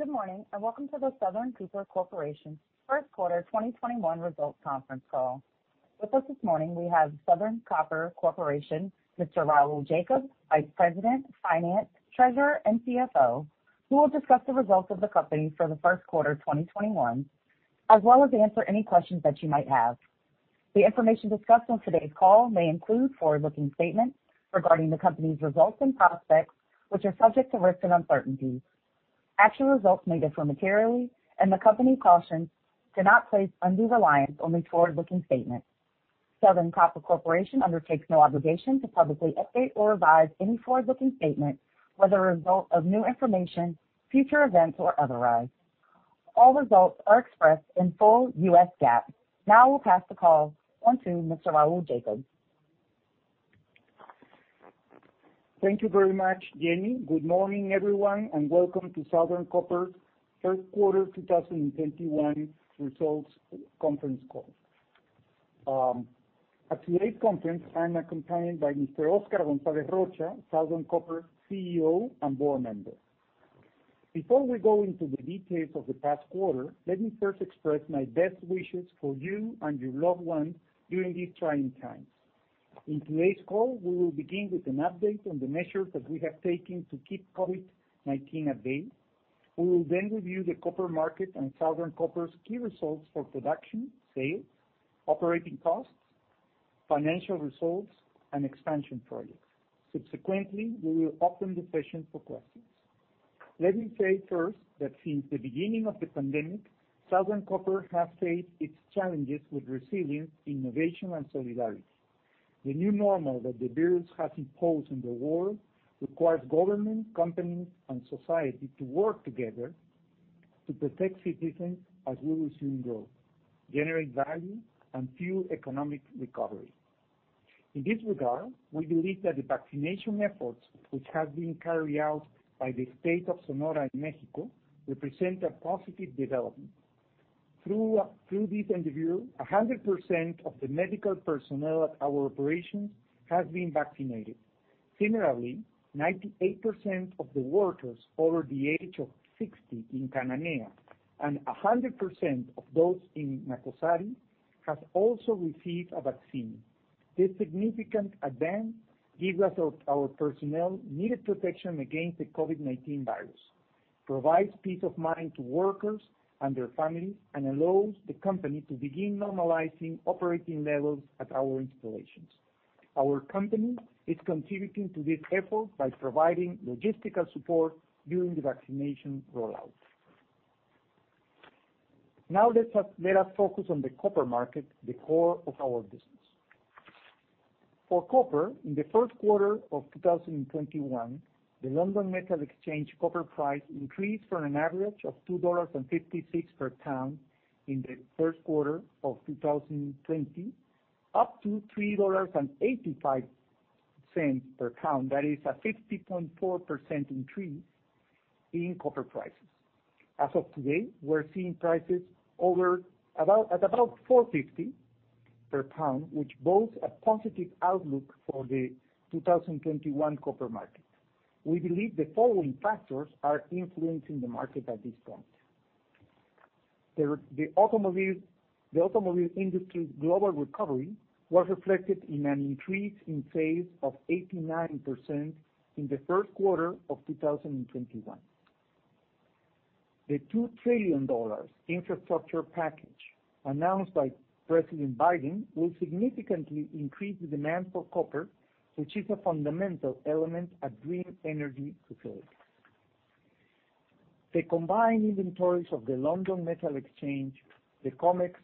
Good morning, and welcome to the Southern Copper Corporation first quarter 2021 results conference call. With us this morning, we have Southern Copper Corporation, Mr. Raul Jacob, Vice President, Finance, Treasurer, and CFO, who will discuss the results of the company for the first quarter of 2021, as well as answer any questions that you might have. The information discussed on today's call may include forward-looking statements regarding the company's results and prospects, which are subject to risks and uncertainties. Actual results may differ materially, and the company cautions to not place undue reliance on the forward-looking statements. Southern Copper Corporation undertakes no obligation to publicly update or revise any forward-looking statement, whether a result of new information, future events, or otherwise. All results are expressed in full U.S. GAAP. Now we'll pass the call on to Mr. Raul Jacob. Thank you very much, Jenny. Good morning, everyone, and welcome to Southern Copper first quarter 2021 results conference call. At today's conference, I'm accompanied by Mr. Oscar Gonzalez Rocha, Southern Copper CEO and Board Member. Before we go into the details of the past quarter, let me first express my best wishes for you and your loved ones during these trying times. In today's call, we will begin with an update on the measures that we have taken to keep COVID-19 at bay. We will then review the copper market and Southern Copper's key results for production, sales, operating costs, financial results, and expansion projects. Subsequently, we will open the session for questions. Let me say first that since the beginning of the pandemic, Southern Copper has faced its challenges with resilience, innovation, and solidarity. The new normal that the virus has imposed on the world requires government, companies, and society to work together to protect citizens as we resume growth, generate value, and fuel economic recovery. In this regard, we believe that the vaccination efforts which have been carried out by the state of Sonora in Mexico represent a positive development. Through this endeavor, 100% of the medical personnel at our operations have been vaccinated. Similarly, 98% of the workers over the age of 60 in Cananea and 100% of those in Nacozari have also received a vaccine. This significant advance gives us our personnel needed protection against the COVID-19 virus, provides peace of mind to workers and their families, and allows the company to begin normalizing operating levels at our installations. Our company is contributing to this effort by providing logistical support during the vaccination rollout. Let us focus on the copper market, the core of our business. For copper, in the first quarter of 2021, the London Metal Exchange copper price increased from an average of $2.56 per pound in the first quarter of 2020, up to $3.85 per pound. That is a 50.4% increase in copper prices. As of today, we're seeing prices at about $4.50 per pound, which bodes a positive outlook for the 2021 copper market. We believe the following factors are influencing the market at this point. The automobile industry's global recovery was reflected in an increase in sales of 89% in the first quarter of 2021. The $2 trillion infrastructure package announced by President Biden will significantly increase the demand for copper, which is a fundamental element of green energy facilities. The combined inventories of the London Metal Exchange, the COMEX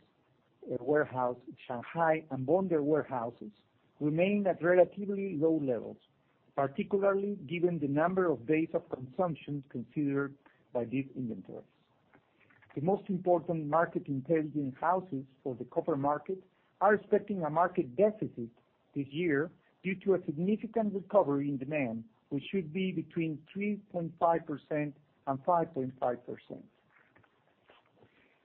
warehouse in Shanghai, and bonded warehouses remain at relatively low levels, particularly given the number of days of consumption considered by these inventories. The most important market intelligence houses for the copper market are expecting a market deficit this year due to a significant recovery in demand, which should be between 3.5% and 5.5%.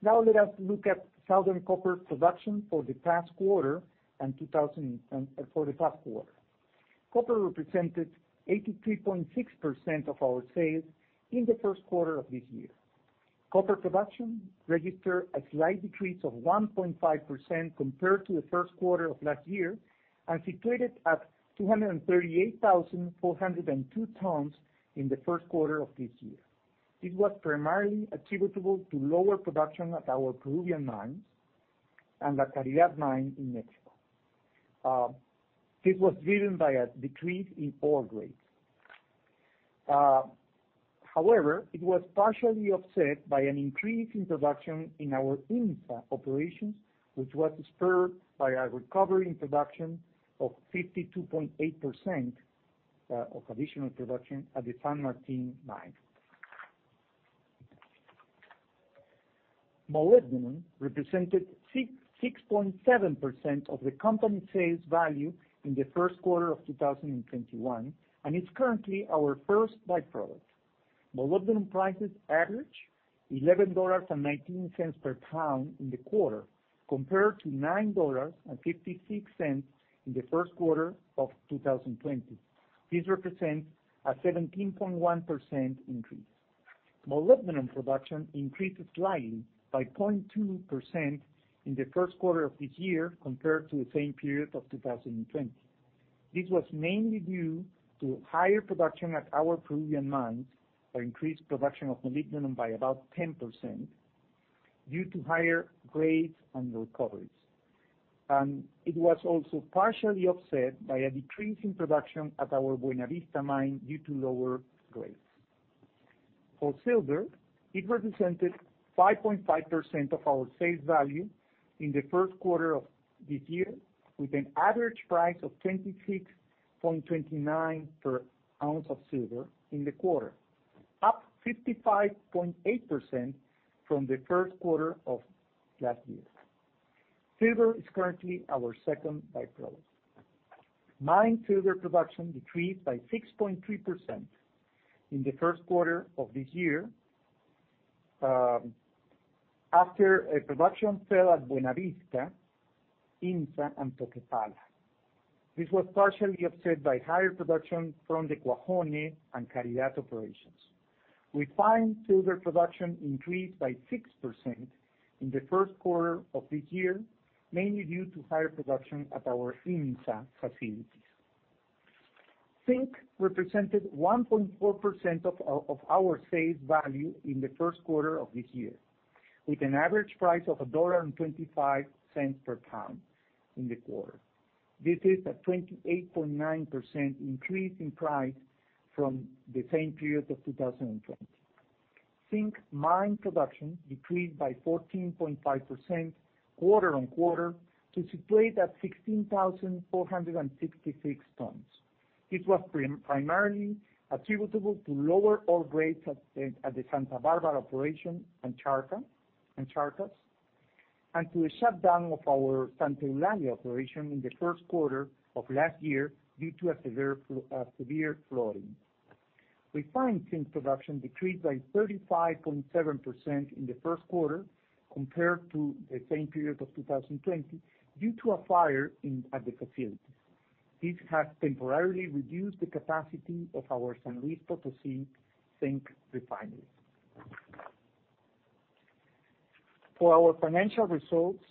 Let us look at Southern Copper production for the past quarter. Copper represented 83.6% of our sales in the first quarter of this year. Copper production registered a slight decrease of 1.5% compared to the first quarter of last year and situated at 238,402 tons in the first quarter of this year. This was primarily attributable to lower production at our Peruvian mines and the Caridad mine in Mexico. This was driven by a decrease in ore grade. It was partially offset by an increase in production in our operations, which was spurred by a recovery in production of 52.8% of additional production at the San Martin mine. Molybdenum represented 6.7% of the company sales value in the first quarter of 2021 and is currently our first by-product. Molybdenum prices averaged $11.19 per pound in the quarter compared to $9.56 in the first quarter of 2020. This represents a 17.1% increase. Molybdenum production increased slightly by 0.2% in the first quarter of this year compared to the same period of 2020. This was mainly due to higher production at our Peruvian mines, or increased production of molybdenum by about 10% due to higher grades and recoveries. It was also partially offset by a decrease in production at our Buenavista mine due to lower grades. For silver, it represented 5.5% of our sales value in the first quarter of this year, with an average price of $26.29 per ounce of silver in the quarter, up 55.8% from the first quarter of last year. Silver is currently our second by-product. Mine silver production decreased by 6.3% in the first quarter of this year after a production fell at Buenavista, IMMSA, and Toquepala. This was partially offset by higher production from the Cuajone and Caridad operations. Refined silver production increased by 6% in the first quarter of this year, mainly due to higher production at our IMMSA facilities. Zinc represented 1.4% of our sales value in the first quarter of this year with an average price of $1.25 per pound in the quarter. This is a 28.9% increase in price from the same period of 2020. Zinc mine production decreased by 14.5% quarter-on-quarter to situate at 16,466 tons. This was primarily attributable to lower ore grades at the Santa Barbara operation and Charcas, and to a shutdown of our Santa Eulalia operation in the first quarter of last year due to a severe flooding. Refined zinc production decreased by 35.7% in the first quarter compared to the same period of 2020 due to a fire at the facility. This has temporarily reduced the capacity of our San Luis Potosi zinc refinery. For our financial results,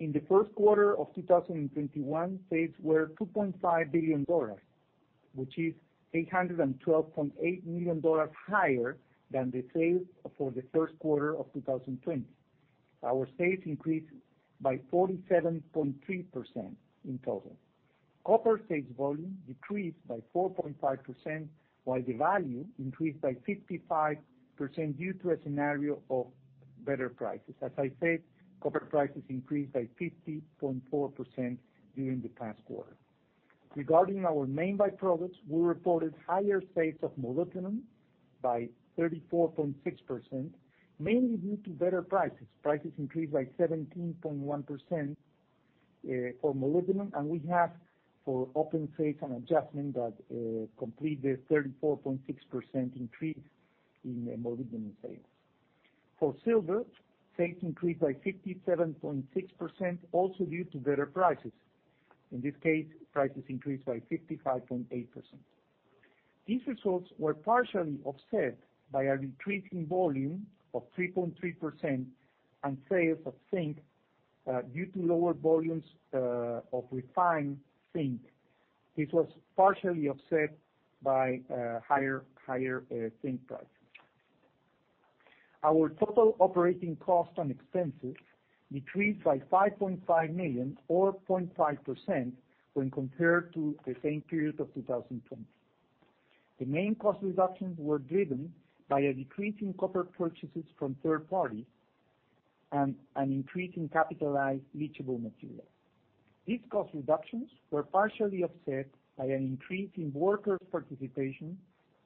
in the first quarter of 2021, sales were $2.5 billion, which is $812.8 million higher than the sales for the first quarter of 2020. Our sales increased by 47.3% in total. Copper sales volume decreased by 4.5%, while the value increased by 55% due to a scenario of better prices. As I said, copper prices increased by 50.4% during the past quarter. Regarding our main by-products, we reported higher sales of molybdenum by 34.6%, mainly due to better prices. Prices increased by 17.1% for molybdenum, and we have for open sales an adjustment that complete the 34.6% increase in the molybdenum sales. For silver, sales increased by 57.6%, also due to better prices. In this case, prices increased by 55.8%. These results were partially offset by a decrease in volume of 3.3% on sales of zinc, due to lower volumes of refined zinc. This was partially offset by higher zinc prices. Our total operating cost and expenses decreased by $5.5 million or 0.5% when compared to the same period of 2020. The main cost reductions were driven by a decrease in copper purchases from third parties and an increase in capitalized leachable material. These cost reductions were partially offset by an increase in workers' participation,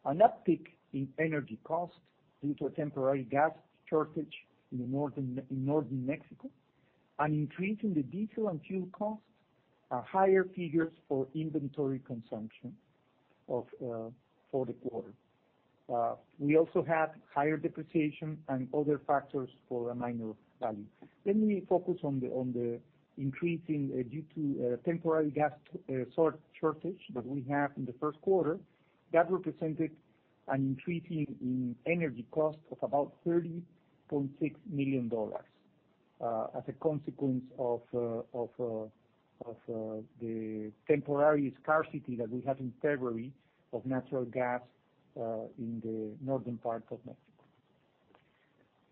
an uptick in energy cost due to a temporary gas shortage in Northern Mexico, an increase in the diesel and fuel cost, a higher figures for inventory consumption for the quarter. We also had higher depreciation and other factors for a minor value. Let me focus on the increasing due to temporary gas shortage that we have in the first quarter. That represented an increase in energy cost of about $30.6 million as a consequence of the temporary scarcity that we had in February of natural gas, in the northern part of Mexico.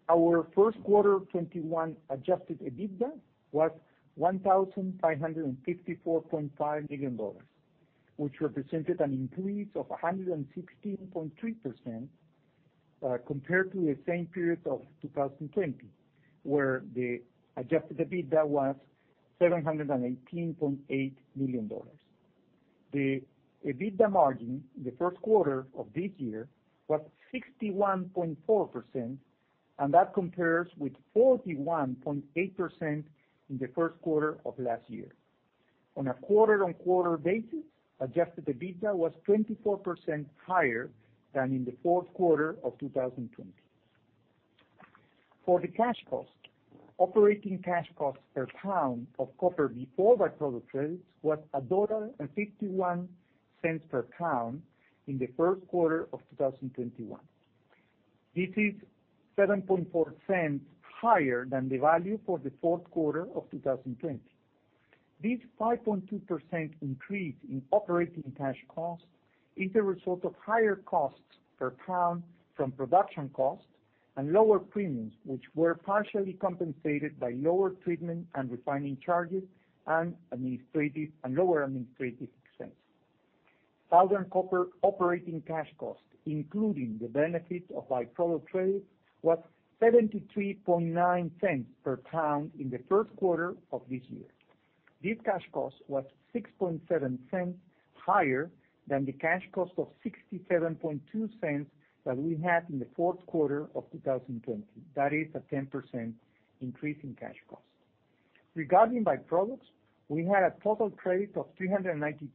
Our first quarter 2021 adjusted EBITDA was $1,554.5 million, which represented an increase of 116.3% compared to the same period of 2020, where the adjusted EBITDA was $718.8 million. The EBITDA margin in the first quarter of this year was 61.4%. That compares with 41.8% in the first quarter of last year. On a quarter-on-quarter basis, adjusted EBITDA was 24% higher than in the fourth quarter of 2020. For the cash cost, operating cash cost per pound of copper before by-product credits was $1.51 per pound in the first quarter of 2021. It is $0.074 higher than the value for the fourth quarter of 2020. This 5.2% increase in operating cash cost is a result of higher costs per pound from production costs and lower premiums, which were partially compensated by lower treatment and refining charges and lower administrative expense. Southern Copper operating cash cost, including the benefit of by-product credit, was $0.739 per pound in the first quarter of this year. This cash cost was $0.067 higher than the cash cost of $0.672 that we had in the fourth quarter of 2020. That is a 10% increase in cash cost. Regarding by-products, we had a total credit of $393.7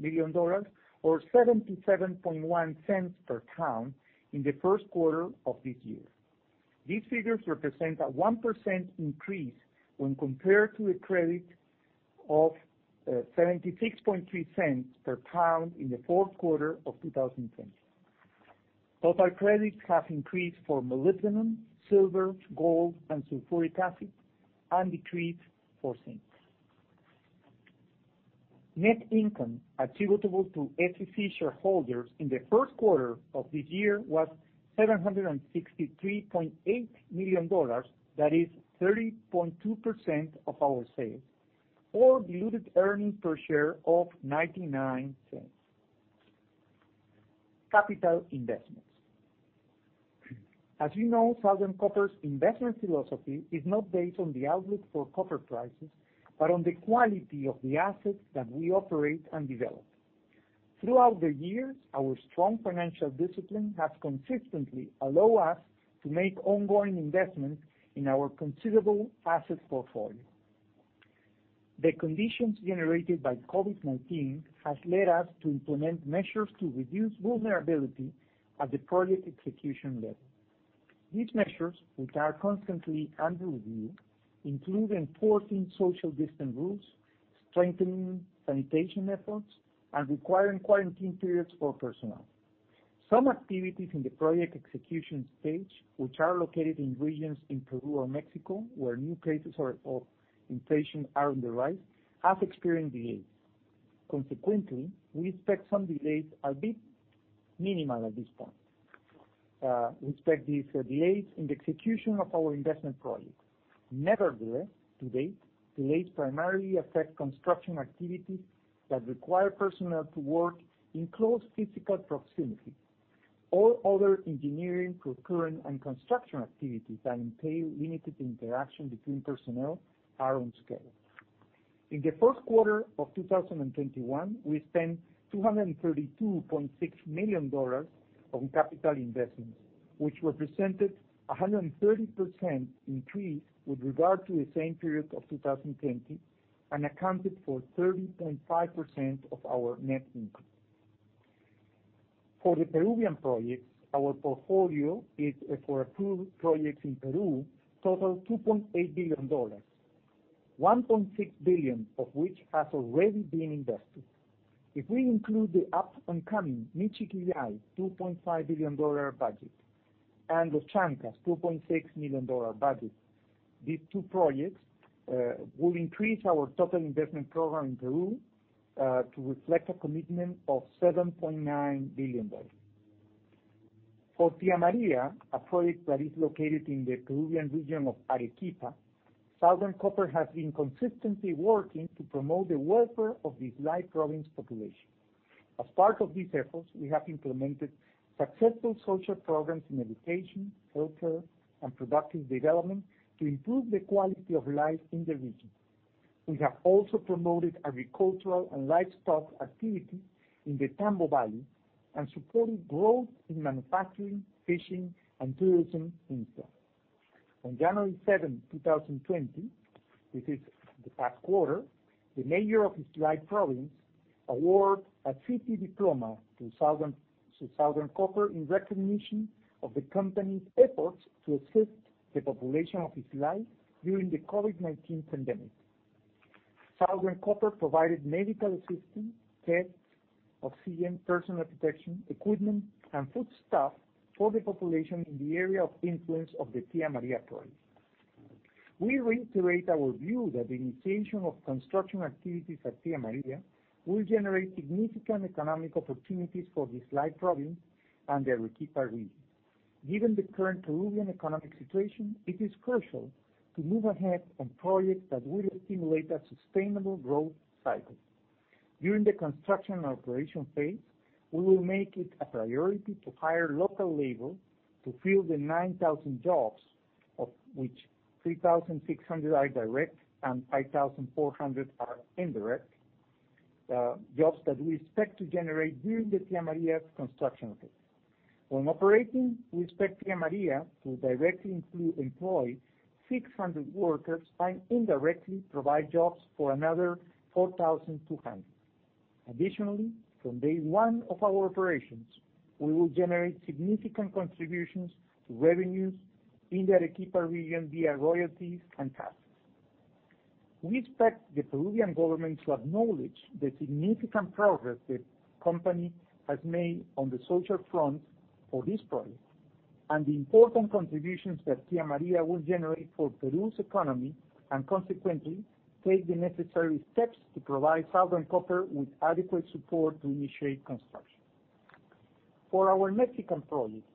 million, or $0.771 per pound, in the first quarter of this year. These figures represent a 1% increase when compared to a credit of $0.763 per pound in the fourth quarter of 2020. Total credits have increased for molybdenum, silver, gold, and sulfuric acid, and decreased for zinc. Net income attributable to SCC shareholders in the first quarter of this year was $763.8 million, that is 30.2% of our sales, or diluted earnings per share of $0.99. Capital investments. As you know, Southern Copper's investment philosophy is not based on the outlook for copper prices, but on the quality of the assets that we operate and develop. Throughout the years, our strong financial discipline has consistently allowed us to make ongoing investments in our considerable assets portfolio. The conditions generated by COVID-19 has led us to implement measures to reduce vulnerability at the project execution level. These measures, which are constantly under review, include enforcing social distance rules, strengthening sanitation efforts, and requiring quarantine periods for personnel. Some activities in the project execution stage, which are located in regions in Peru or Mexico where new cases or infections are on the rise, have experienced delays. Consequently, we expect some delays, albeit minimal at this point. We expect these delays in the execution of our investment projects. Nevertheless, to date, delays primarily affect construction activities that require personnel to work in close physical proximity. All other engineering, procurement, and construction activities that entail limited interaction between personnel are on schedule. In the first quarter of 2021, we spent $232.6 million on capital investments, which represented 130% increase with regard to the same period of 2020 and accounted for 30.5% of our net income. For the Peruvian projects, our portfolio for two projects in Peru total $2.8 billion, $1.6 billion of which has already been invested. If we include the up-and-coming Michiquillay $2.5 billion budget and the Los Chancas $2.6 billion budget, these two projects will increase our total investment program in Peru to reflect a commitment of $7.9 billion. For Tia Maria, a project that is located in the Peruvian region of Arequipa, Southern Copper has been consistently working to promote the welfare of the Islay province population. As part of these efforts, we have implemented successful social programs in education, healthcare, and productive development to improve the quality of life in the region. We have also promoted agricultural and livestock activity in the Tambo Valley and supported growth in manufacturing, fishing, and tourism in Tambo. On January 7th, 2020, this is the past quarter, the mayor of Islay province award a city diploma to Southern Copper in recognition of the company's efforts to assist the population of Islay during the COVID-19 pandemic. Southern Copper provided medical assistance, tests, oxygen, personal protection equipment, and foodstuff for the population in the area of influence of the Tia Maria project. We reiterate our view that the initiation of construction activities at Tia Maria will generate significant economic opportunities for the Islay province and the Arequipa region. Given the current Peruvian economic situation, it is crucial to move ahead on projects that will stimulate a sustainable growth cycle. During the construction and operation phase, we will make it a priority to hire local labor to fill the 9,000 jobs, of which 3,600 are direct and 5,400 are indirect. The jobs that we expect to generate during the Tia Maria's construction phase. When operating, we expect Tia Maria to directly employ 600 workers and indirectly provide jobs for another 4,200. Additionally, from day one of our operations, we will generate significant contributions to revenues in the Arequipa region via royalties and taxes. We expect the Peruvian government to acknowledge the significant progress the company has made on the social front for this project, and the important contributions that Tia Maria will generate for Peru's economy, and consequently, take the necessary steps to provide Southern Copper with adequate support to initiate construction. For our Mexican projects,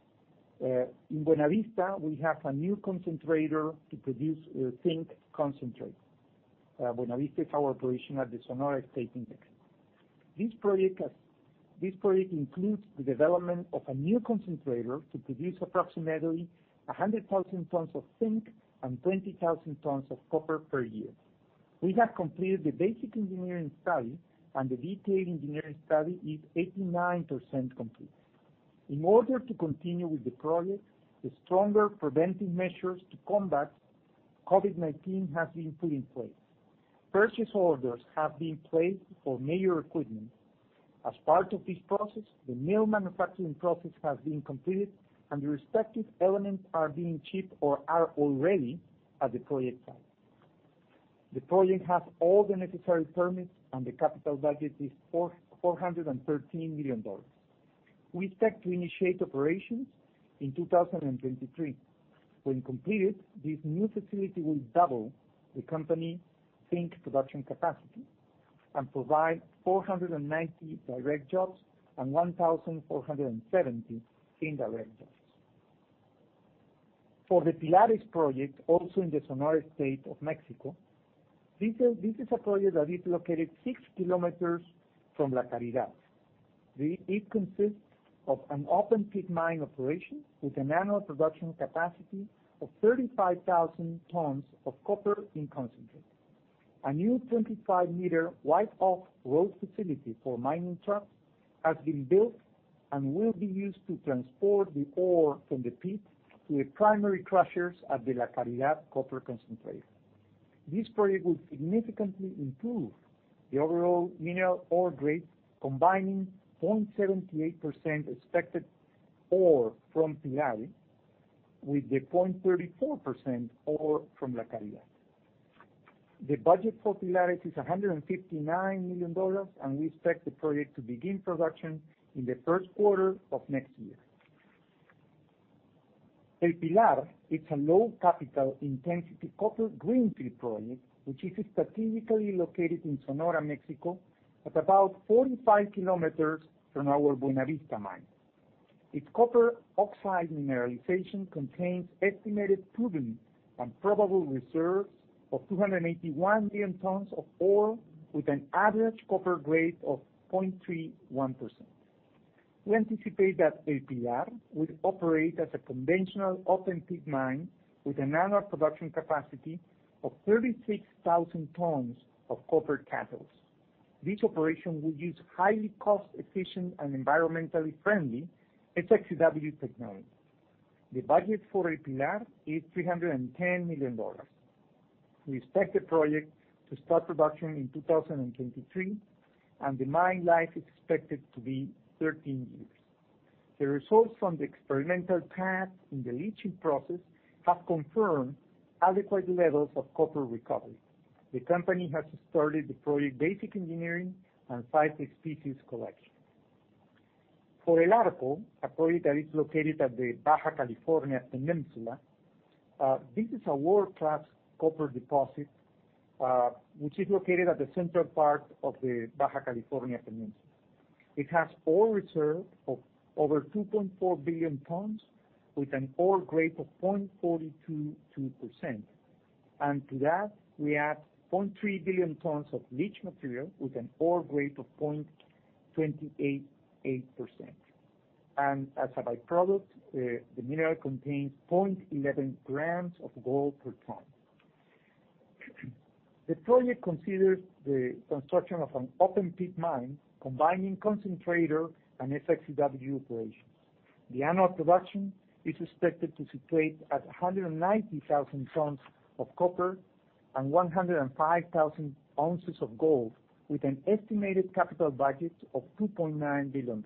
in Buenavista, we have a new concentrator to produce zinc concentrate. Buenavista is our operation at the Sonora state in Mexico. This project includes the development of a new concentrator to produce approximately 100,000 tons of zinc and 20,000 tons of copper per year. We have completed the basic engineering study, and the detailed engineering study is 89% complete. In order to continue with the project, the stronger preventive measures to combat COVID-19 have been put in place. Purchase orders have been placed for major equipment. As part of this process, the mill manufacturing process has been completed, and the respective elements are being shipped or are already at the project site. The project has all the necessary permits, and the capital budget is $413 million. We expect to initiate operations in 2023. When completed, this new facility will double the company zinc production capacity and provide 490 direct jobs and 1,470 indirect jobs. For the Pilares project, also in Sonora, Mexico, this is a project that is located 6 km from La Caridad. It consists of an open-pit-mine operation with an annual production capacity of 35,000 tons of copper in concentrate. A new 25-meter-wide off-road facility for mining trucks has been built and will be used to transport the ore from the pit to the primary crushers at the La Caridad copper concentrate. This project will significantly improve the overall mineral ore grade, combining 0.78% expected ore from Pilar with the 0.34% ore from La Caridad. The budget for Pilares is $159 million, and we expect the project to begin production in the first quarter of next year. Pilares is a low-capital-intensity copper greenfield project, which is strategically located in Sonora, Mexico, at about 45 km from our Buenavista mine. Its copper oxide mineralization contains estimated proven and probable reserves of 281 million tons of ore, with an average copper grade of 0.31%. We anticipate that Pilares will operate as a conventional open-pit-mine with an annual production capacity of 36,000 tons of copper cathodes. This operation will use highly cost-efficient and environmentally friendly SX-EW technology. The budget for Pilares is $310 million. We expect the project to start production in 2023, and the mine life is expected to be 13 years. The results from the experimental tests in the leaching process have confirmed adequate levels of copper recovery. The company has started the project basic engineering and site species collection. For El Arco, a project that is located at the Baja California Peninsula, this is a world-class copper deposit, which is located at the central part of the Baja California Peninsula. It has ore reserve of over 2.4 billion tons, with an ore grade of 0.422%. To that, we add 0.3 billion tons of leach material with an ore grade of 0.288%. As a by-product, the mineral contains 0.11 grams of gold per ton. The project considers the construction of an open-pit-mine combining concentrator and SX-EW operations. The annual production is expected to situate at 190,000 tons of copper and 105,000 ounces of gold, with an estimated capital budget of $2.9 billion.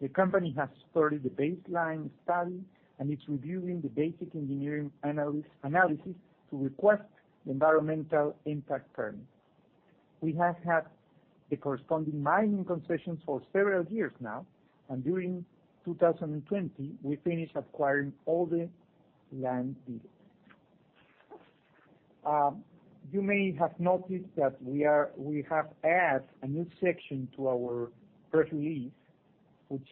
The company has started the baseline study and is reviewing the basic engineering analysis to request the environmental impact permit. We have had the corresponding mining concessions for several years now, and during 2020, we finished acquiring all the land deeds. You may have noticed that we have added a new section to our press release, which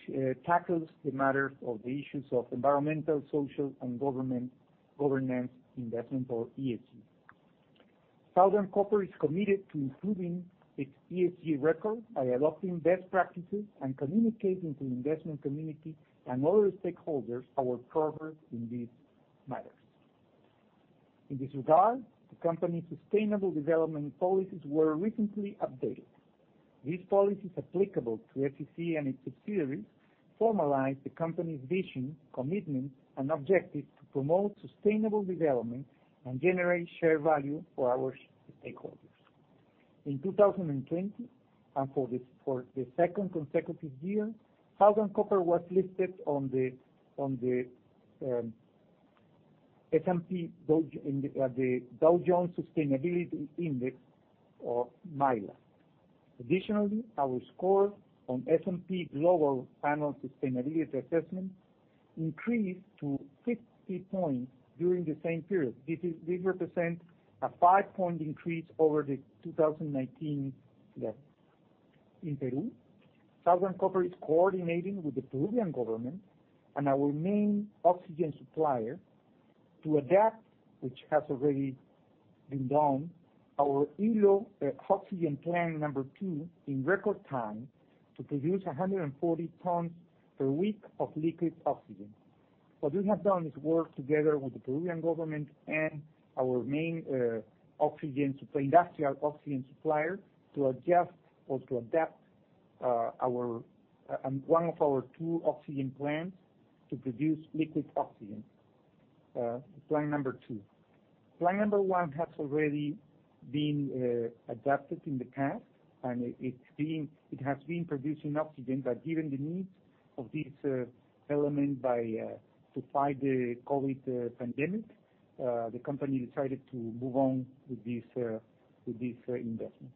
tackles the matters of the issues of environmental, social, and governance investment, or ESG. Southern Copper is committed to improving its ESG record by adopting best practices and communicating to the investment community and other stakeholders our progress in these matters. In this regard, the company's sustainable development policies were recently updated. These policies applicable to SCC and its subsidiaries formalize the company's vision, commitment, and objectives to promote sustainable development and generate share value for our stakeholders. In 2020, and for the second consecutive year, Southern Copper was listed on the S&P Dow Jones Sustainability Index or MILA. Additionally, our score on S&P Global annual sustainability assessment increased to 50 points during the same period. This represents a five-point increase over the 2019 data. In Peru, Southern Copper is coordinating with the Peruvian government and our main oxygen supplier to adapt, which has already been done, our Ilo oxygen plant number two in record time to produce 140 tons per week of liquid oxygen. What we have done is work together with the Peruvian government and our main industrial oxygen supplier to adjust or to adapt one of our two oxygen plants to produce liquid oxygen, plant number two. Plant number one has already been adapted in the past, and it has been producing oxygen, but given the needs of this element to fight the COVID pandemic, the company decided to move on with this investment.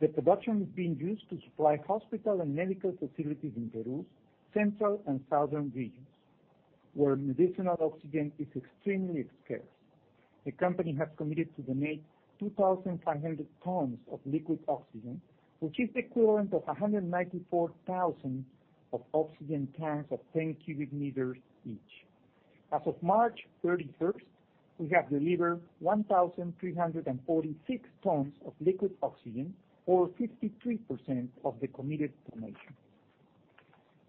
The production is being used to supply hospital and medical facilities in Peru's central and southern regions, where medicinal oxygen is extremely scarce. The company has committed to donate 2,500 tons of liquid oxygen, which is the equivalent of 194,000 oxygen tanks of 10 cubic meters each. As of March 31st, we have delivered 1,346 tons of liquid oxygen, or 53% of the committed donation.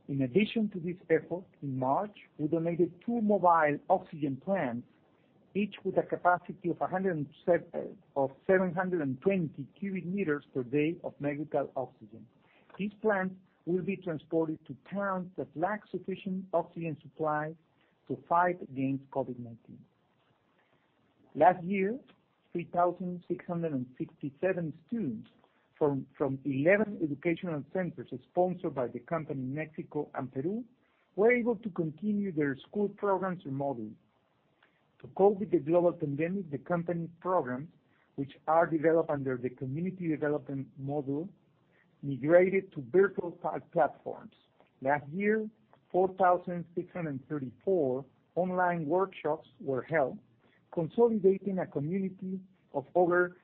In addition to this effort, in March, we donated two mobile oxygen plants, each with a capacity of 720 cubic meters per day of medical oxygen. These plants will be transported to towns that lack sufficient oxygen supply to fight against COVID-19. Last year, 3,667 students from 11 educational centers sponsored by the company in Mexico and Peru were able to continue their school programs remotely. To cope with the global pandemic, the company programs, which are developed under the community development module, migrated to virtual platforms. Last year, 4,634 online workshops were held, consolidating a community of over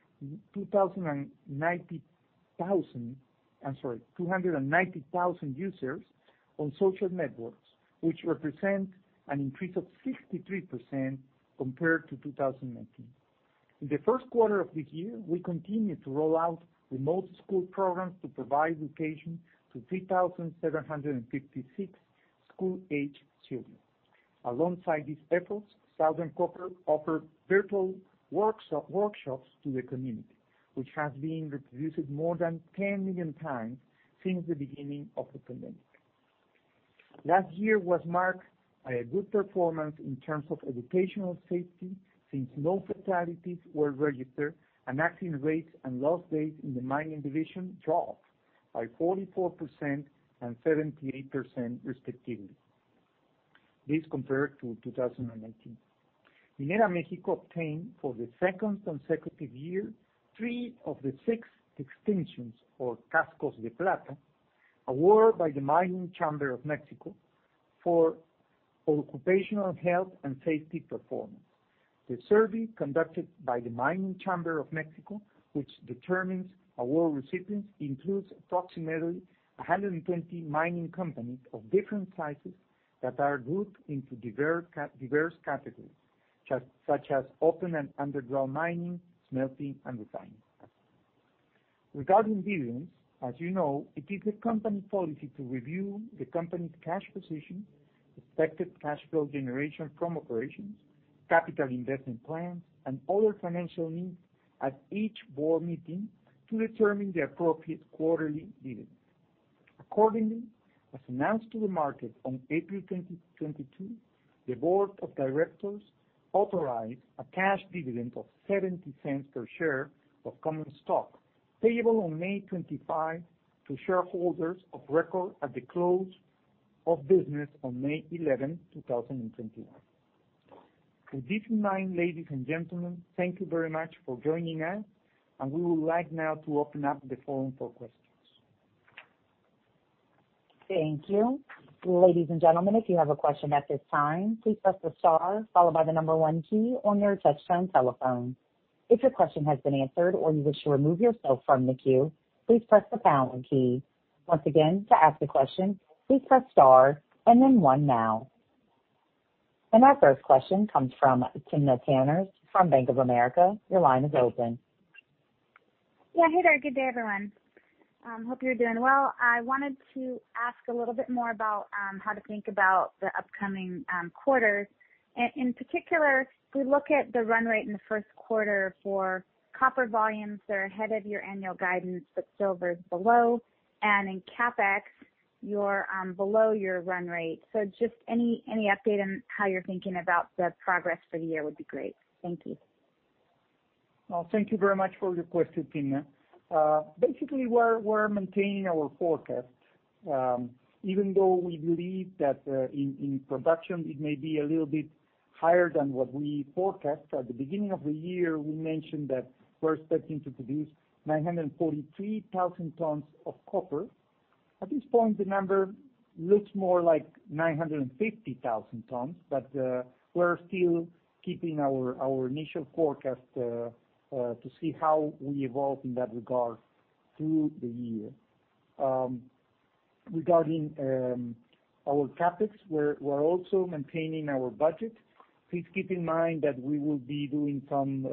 290,000 users on social networks, which represent an increase of 63% compared to 2019. In the first quarter of the year, we continued to roll out remote school programs to provide education to 3,756 school-aged children. Alongside these efforts, Southern Copper offered virtual workshops to the community, which has been reproduced more than 10 million times since the beginning of the pandemic. Last year was marked by a good performance in terms of educational safety, since no fatalities were registered, and accident rates and lost days in the mining division dropped by 44% and 78%, respectively. This compared to 2019. Minera Mexico obtained, for the second consecutive year, three of the six distinctions or Cascos de Plata, award by the Mining Chamber of Mexico for occupational health and safety performance. The survey conducted by the Mining Chamber of Mexico, which determines award recipients, includes approximately 120 mining companies of different sizes that are grouped into diverse categories, such as open and underground mining, smelting, and refining. Regarding dividends, as you know, it is the company policy to review the company's cash position, expected cash flow generation from operations, capital investment plans, and other financial needs at each board meeting to determine the appropriate quarterly dividend. Accordingly, as announced to the market on April 22, the board of directors authorized a cash dividend of $0.70 per share of common stock, payable on May 25 to shareholders of record at the close of business on May 11, 2021. With this in mind, ladies and gentlemen, thank you very much for joining us, and we would like now to open up the forum for questions. Thank you. Ladies and gentlemen, if you have a question at this time, please press the star followed by the number one key on your touchtone telephone. If your question has been answered or you wish to remove yourself from the queue, please press the pound key. Once again, to ask a question, please press star and then one now. Our first question comes from Timna Tanners from Bank of America. Your line is open. Yeah, hey there. Good day, everyone. Hope you're doing well. I wanted to ask a little bit more about how to think about the upcoming quarters. In particular, we look at the run rate in the first quarter for copper volumes are ahead of your annual guidance, but silver is below. In CapEx, you're below your run rate. Just any update on how you're thinking about the progress for the year would be great. Thank you. Thank you very much for your question, Timna. Basically, we're maintaining our forecast. Even though we believe that in production it may be a little bit higher than what we forecast. At the beginning of the year, we mentioned that we're expecting to produce 943,000 tons of copper. At this point, the number looks more like 950,000 tons, but we're still keeping our initial forecast to see how we evolve in that regard through the year. Regarding our CapEx, we're also maintaining our budget. Please keep in mind that we will be doing some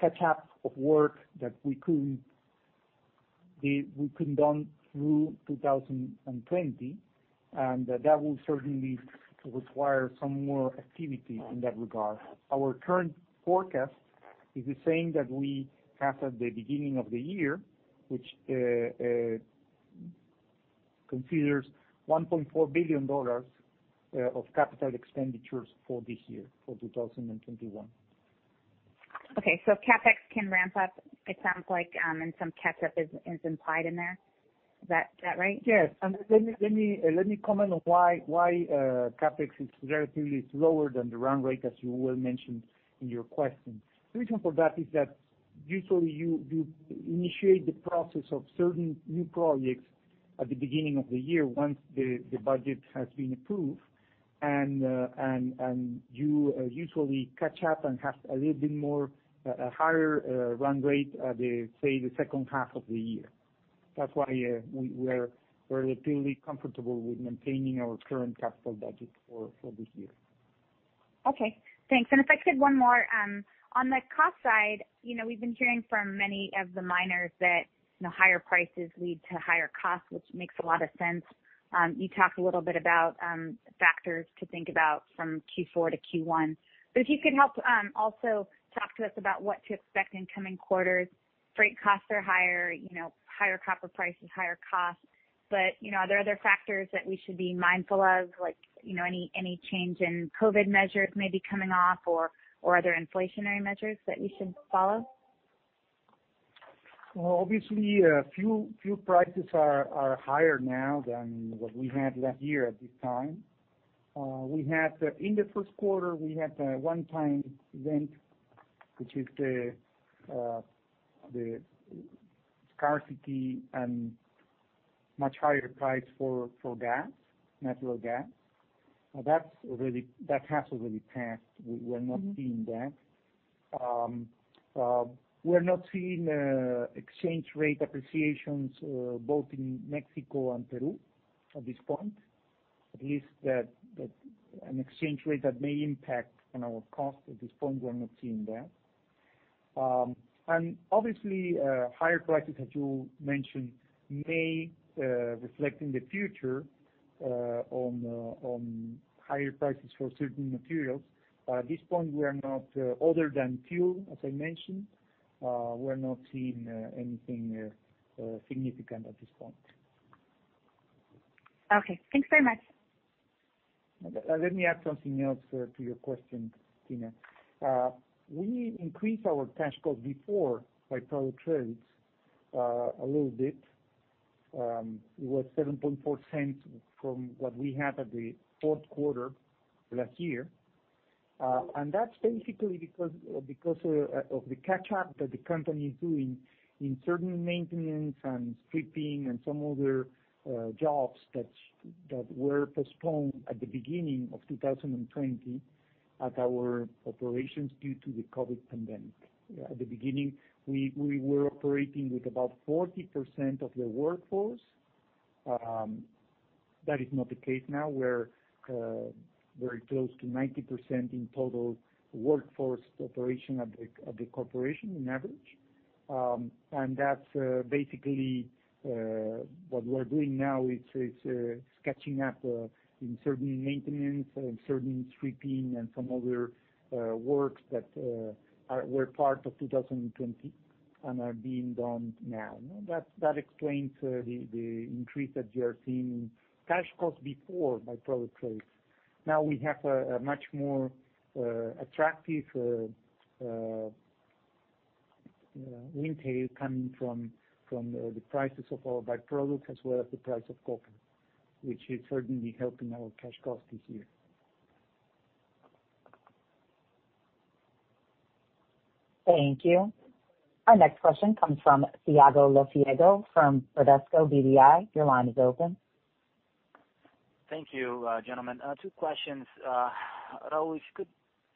catch up of work that we couldn't done through 2020, and that will certainly require some more activity in that regard. Our current forecast is the same that we have at the beginning of the year, which considers $1.4 billion of capital expenditures for this year, for 2021. CapEx can ramp up, it sounds like, and some catch-up is implied in there. Is that right? Yes. Let me comment on why CapEx is relatively slower than the run rate, as you well mentioned in your question. The reason for that is that usually you initiate the process of certain new projects at the beginning of the year, once the budget has been approved and you usually catch up and have a little bit more higher run rate at, say, the second half of the year. That's why we are relatively comfortable with maintaining our current capital budget for this year. Okay, thanks. If I could add one more. On the cost side, we've been hearing from many of the miners that higher prices lead to higher costs, which makes a lot of sense. You talked a little bit about factors to think about from Q4 to Q1. If you could help also talk to us about what to expect in coming quarters. Freight costs are higher copper prices, higher costs. Are there other factors that we should be mindful of, like any change in COVID-19 measures may be coming off or other inflationary measures that we should follow? Well, obviously, fuel prices are higher now than what we had last year at this time. In the first quarter, we had a one-time event, which is the scarcity and much higher price for gas, natural gas. That has already passed. We're not seeing that. We're not seeing exchange rate appreciations, both in Mexico and Peru at this point. At least an exchange rate that may impact on our cost. At this point, we're not seeing that. Obviously, higher prices, as you mentioned, may reflect in the future on higher prices for certain materials. At this point, other than fuel, as I mentioned, we're not seeing anything significant at this point. Okay, thanks very much. Let me add something else to your question, Timna. We increased our cash cost before by-product credits a little bit. It was $0.074 from what we had at the fourth quarter last year. That's basically because of the catch-up that the company is doing in certain maintenance and stripping and some other jobs that were postponed at the beginning of 2020 at our operations due to the COVID-19 pandemic. At the beginning, we were operating with about 40% of the workforce. That is not the case now. We're very close to 90% in total workforce operation of the corporation on average. That's basically what we're doing now, is catching up in certain maintenance, in certain stripping, and some other works that were part of 2020 and are being done now. That explains the increase that you are seeing in cash cost before by-product credits. We have a much more attractive intake coming from the prices of our by-product as well as the price of copper, which is certainly helping our cash cost this year. Thank you. Our next question comes from Thiago Lofiego from Bradesco BBI. Your line is open. Thank you, gentlemen. Two questions. Raul, if you could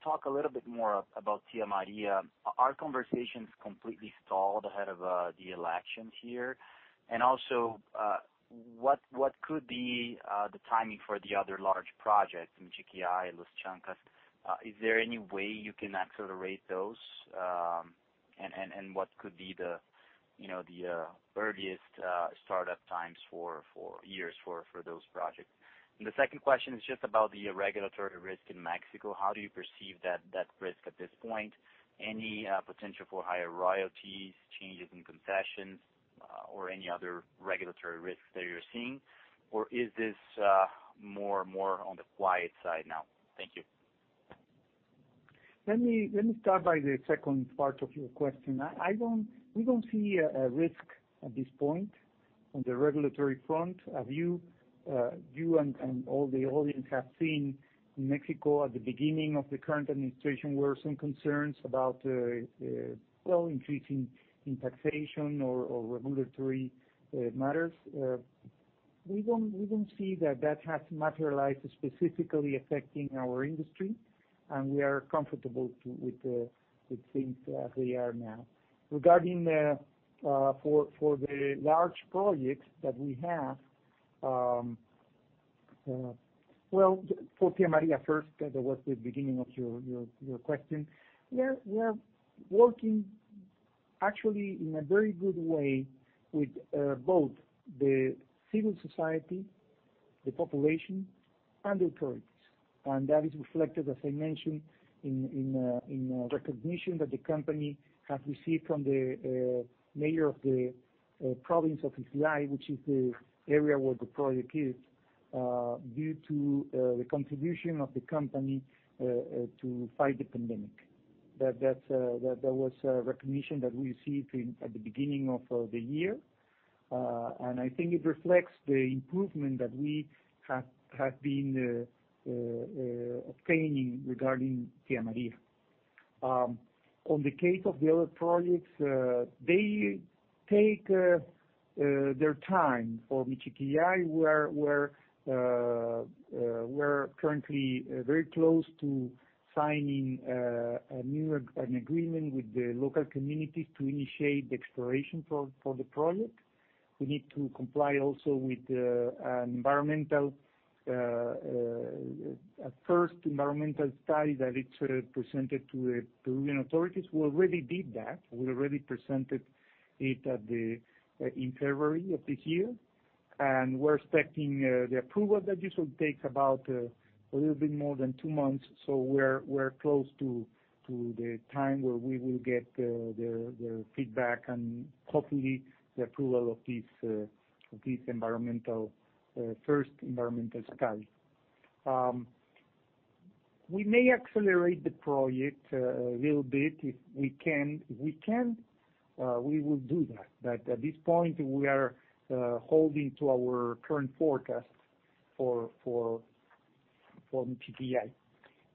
talk a little bit more about Tia Maria. Are conversations completely stalled ahead of the election here? What could be the timing for the other large projects, Michiquillay, Los Chancas? Is there any way you can accelerate those? What could be the earliest startup times for years for those projects? The second question is just about the regulatory risk in Mexico. How do you perceive that risk at this point? Any potential for higher royalties, changes in concessions, or any other regulatory risks that you're seeing? Is this more on the quiet side now? Thank you. Let me start by the second part of your question. We don't see a risk at this point on the regulatory front. You and all the audience have seen Mexico at the beginning of the current administration, were some concerns about increasing taxation or regulatory matters. We don't see that that has materialized specifically affecting our industry, and we are comfortable with the things as they are now. Regarding for the large projects that we have. Well, for Tia Maria first, that was the beginning of your question. We are working actually in a very good way with both the civil society, the population, and authorities. That is reflected, as I mentioned, in recognition that the company has received from the mayor of the province of Islay, which is the area where the project is, due to the contribution of the company to fight the pandemic. That was a recognition that we received at the beginning of the year. I think it reflects the improvement that we have been obtaining regarding Tia Maria. On the case of the other projects, they take their time. For Michiquillay, we're currently very close to signing an agreement with the local communities to initiate the exploration for the project. We need to comply also with a first environmental study that it's presented to the Peruvian authorities. We already did that. We already presented it in February of this year. We're expecting the approval that this will take about a little bit more than two months. We're close to the time where we will get the feedback and hopefully the approval of this first environmental study. We may accelerate the project a little bit if we can. If we can, we will do that. At this point, we are holding to our current forecast for Michiquillay.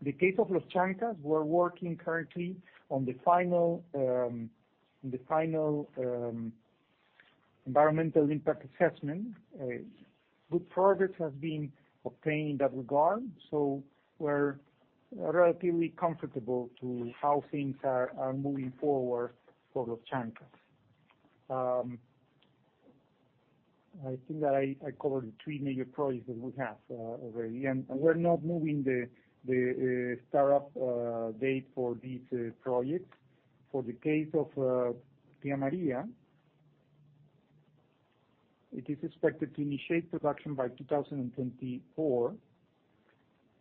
The case of Los Chancas, we're working currently on the final environmental impact assessment. Good progress has been obtained in that regard. We're relatively comfortable to how things are moving forward for Los Chancas. I think that I covered the three major projects that we have already. We're not moving the startup date for these projects. For the case of Tia Maria, it is expected to initiate production by 2024.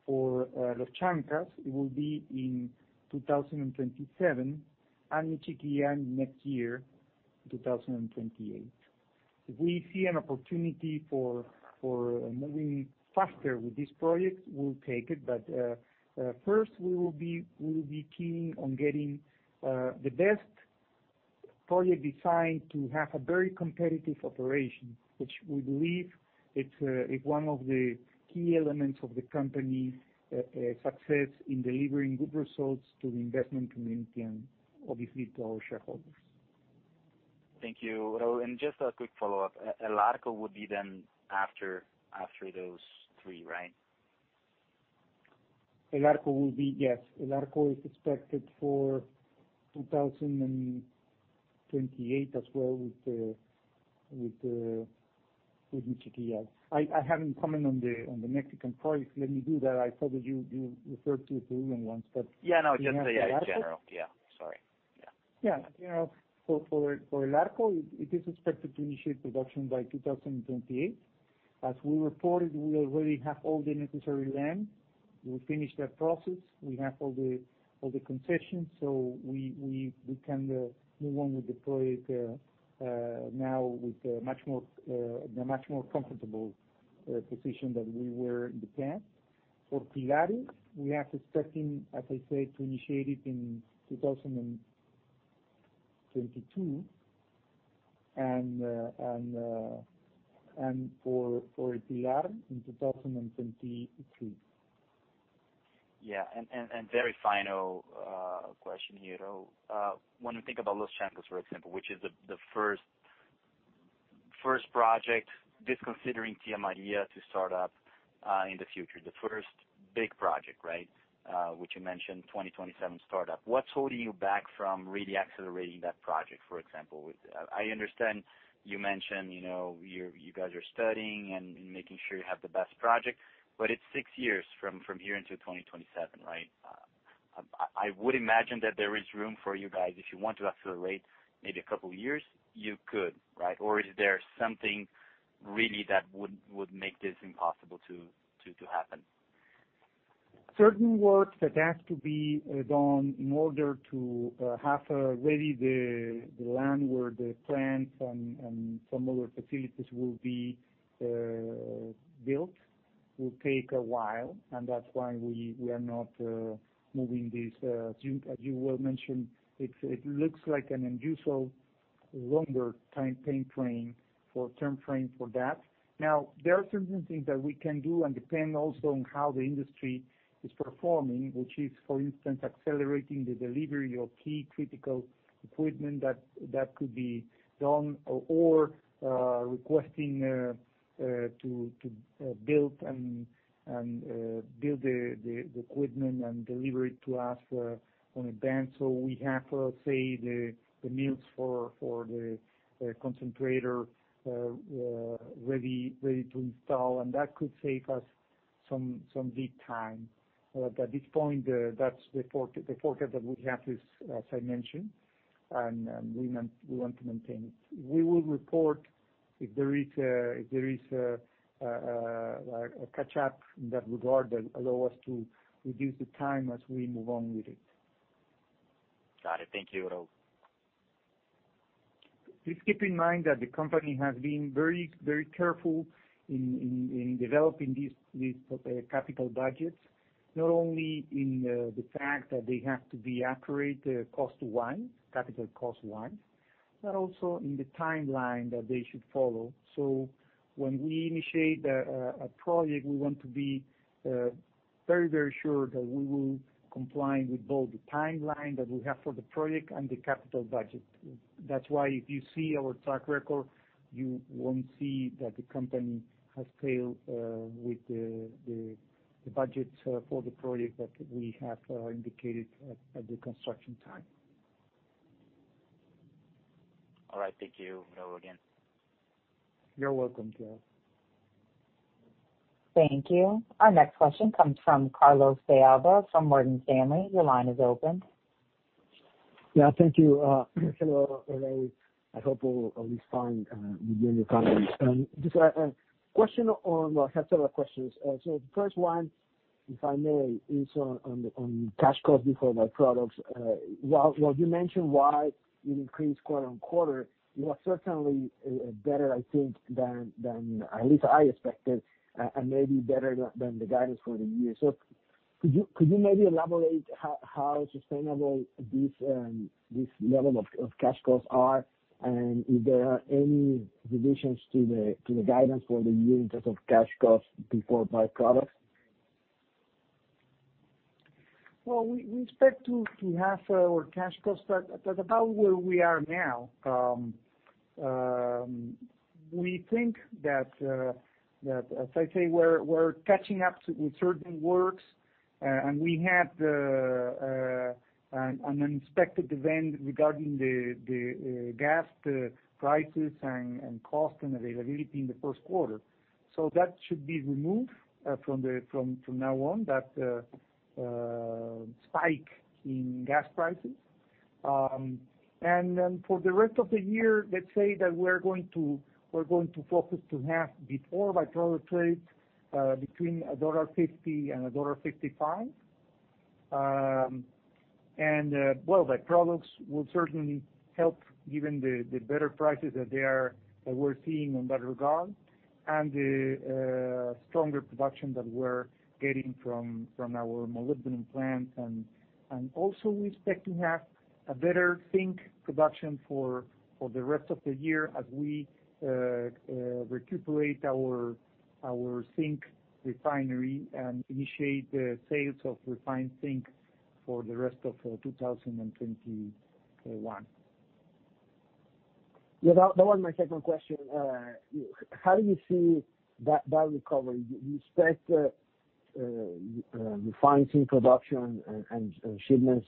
For Los Chancas, it will be in 2027. Michiquillay next year, 2028. If we see an opportunity for moving faster with these projects, we'll take it. First, we will be keen on getting the best project design to have a very competitive operation, which we believe it's one of the key elements of the company success in delivering good results to the investment community and obviously to our shareholders. Thank you. Just a quick follow-up. El Arco would be then after those three, right? El Arco will be, yes. El Arco is expected for 2028 as well with Michiquillay. I haven't commented on the Mexican project. Let me do that. I thought that you referred to the Peruvian ones. Yeah, no, just in general. Yeah. Sorry. Yeah. Yeah. For El Arco, it is expected to initiate production by 2028. As we reported, we already have all the necessary land. We finished that process. We have all the concessions. We can move on with the project now with a much more comfortable position than we were in the past. For Pilares, we are expecting, as I said, to initiate it in 2022, and for Pilares in 2023. Yeah. Very final question here. When we think about Los Chancas, for example, which is the first project, disconsidering Tia Maria to start up in the future. The first big project, which you mentioned 2027 startup. What's holding you back from really accelerating that project, for example? I understand you mentioned you guys are studying and making sure you have the best project, but it's six years from here until 2027, right? I would imagine that there is room for you guys, if you want to accelerate maybe a couple of years, you could, right? Is there something really that would make this impossible to happen? Certain works that have to be done in order to have ready the land where the plants and some other facilities will be built will take a while. That's why we are not moving this. As you well mentioned, it looks like an unusual longer time frame for that. There are certain things that we can do and depend also on how the industry is performing, which is, for instance, accelerating the delivery of key critical equipment that could be done or requesting to build the equipment and deliver it to us on advance. We have, say, the mills for the concentrator ready to install. That could save us some lead time. At this point, that's the forecast that we have, as I mentioned. We want to maintain it. We will report if there is a catch-up in that regard that allow us to reduce the time as we move on with it. Got it. Thank you, Raul. Please keep in mind that the company has been very careful in developing these capital budgets, not only in the fact that they have to be accurate capital cost-wise, but also in the timeline that they should follow. When we initiate a project, we want to be very, very sure that we will comply with both the timeline that we have for the project and the capital budget. That's why if you see our track record, you won't see that the company has failed with the budgets for the project that we have indicated at the construction time. All right. Thank you, Raul, again. You're welcome, Thiago. Thank you. Our next question comes from Carlos de Alba from Morgan Stanley. Your line is open. Yeah, thank you. Hello, Raul. I hope all is fine with you and your family. Just a question. Well, I have several questions. The first one, if I may, is on cash cost before by-products. While you mentioned why it increased quarter-on-quarter, it was certainly better, I think, than at least I expected, and maybe better than the guidance for the year. Could you maybe elaborate how sustainable this level of cash costs are, and if there are any revisions to the guidance for the year in terms of cash cost before by-products? Well, we expect to have our cash costs at about where we are now. We think that, as I say, we're catching up with certain works, and we had an unexpected event regarding the gas prices and cost and availability in the first quarter. That should be removed from now on, that spike in gas prices. For the rest of the year, let's say that we're going to focus to have before by-product credit between $1.50 and $1.55. Well, by-products will certainly help given the better prices that we're seeing in that regard and the stronger production that we're getting from our molybdenum plant. Also we expect to have a better zinc production for the rest of the year as we recuperate our zinc refinery and initiate the sales of refined zinc for the rest of 2021. Yeah, that was my second question. How do you see that recovery? Do you expect refined zinc production and shipments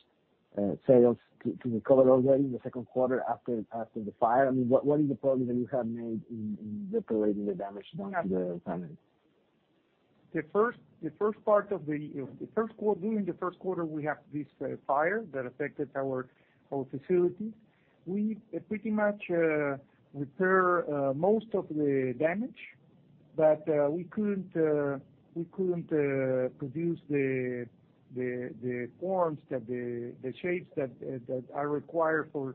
sales to recover already in the second quarter after the fire? I mean, what is the progress that you have made in repairing the damage done to the plant? During the first quarter, we had this fire that affected our whole facilities. We pretty much repaired most of the damage, but we couldn't produce the forms, the shapes that are required for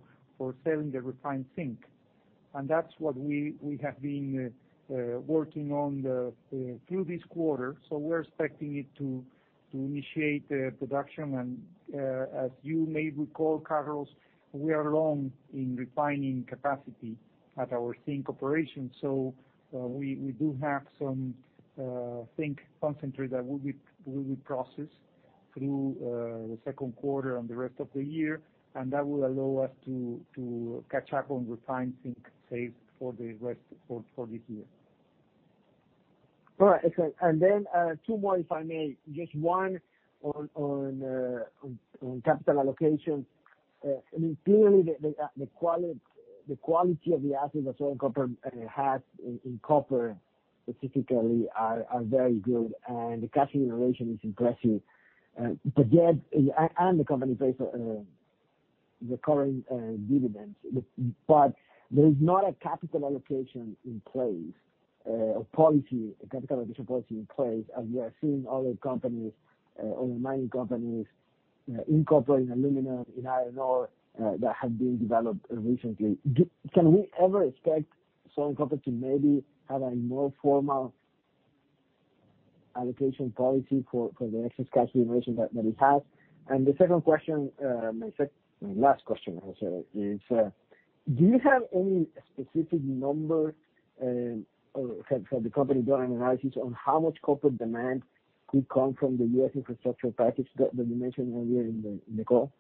selling the refined zinc. That's what we have been working on through this quarter. We're expecting it to initiate production, and as you may recall, Carlos, we are long in refining capacity at our zinc operation. We do have some zinc concentrate that will be processed through the second quarter and the rest of the year, and that will allow us to catch up on refined zinc sales for this year. All right, excellent. Two more, if I may. Just one on capital allocation. Clearly, the quality of the assets that Southern Copper has in copper specifically are very good, and the cash generation is impressive, and the company pays a recurring dividend. There is not a capital allocation in place or policy, a capital allocation policy in place, as we are seeing other companies, other mining companies in copper, in aluminum, in iron ore, that have been developed recently. Can we ever expect Southern Copper to maybe have a more formal allocation policy for the excess cash generation that it has? The second question, my last question, is do you have any specific number for the company doing analysis on how much corporate demand could come from the U.S. infrastructure package that you mentioned earlier in the call?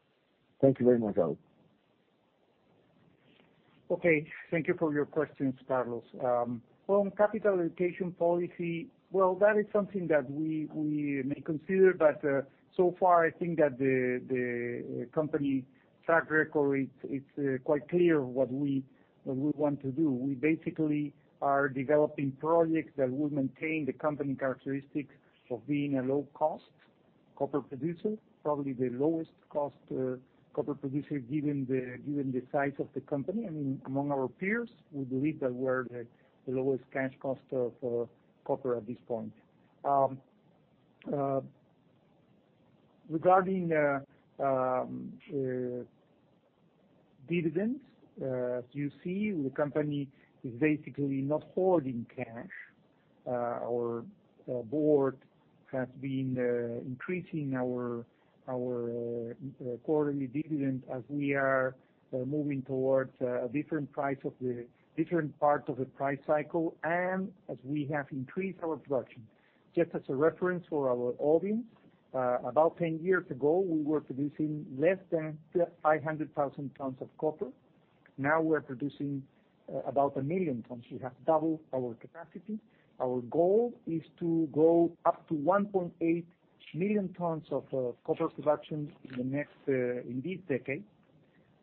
Thank you very much, Raul. Okay. Thank you for your questions, Carlos. On capital allocation policy, well, that is something that we may consider, but so far I think that the company track record, it's quite clear what we want to do. We basically are developing projects that will maintain the company characteristics of being a low-cost copper producer, probably the lowest cost copper producer given the size of the company. Among our peers, we believe that we're the lowest cash cost for copper at this point. Regarding dividends, as you see, the company is basically not holding cash. Our board has been increasing our quarterly dividend as we are moving towards a different part of the price cycle, and as we have increased our production. Just as a reference for our audience, about 10 years ago, we were producing less than 500,000 tons of copper. Now we're producing about 1 million tons. We have doubled our capacity. Our goal is to grow up to 1.8 million tons of copper production in this decade.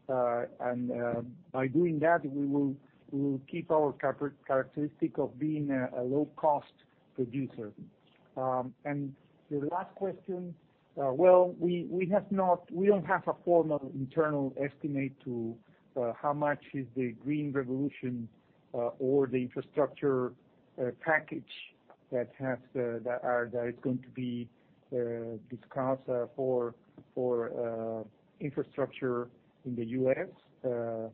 By doing that, we will keep our characteristic of being a low-cost producer. The last question, well, we don't have a formal internal estimate to how much is the green revolution or the infrastructure package that is going to be discussed for infrastructure in the U.S.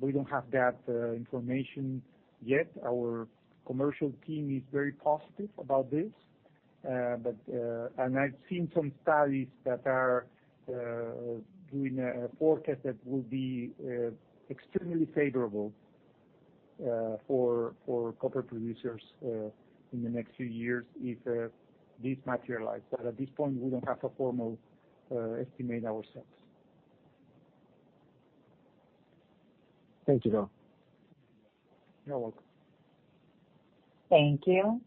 We don't have that information yet. Our commercial team is very positive about this. I've seen some studies that are doing a forecast that will be extremely favorable for copper producers in the next few years if this materializes. At this point, we don't have a formal estimate ourselves. Thank you, Raul. You're welcome. Thank you.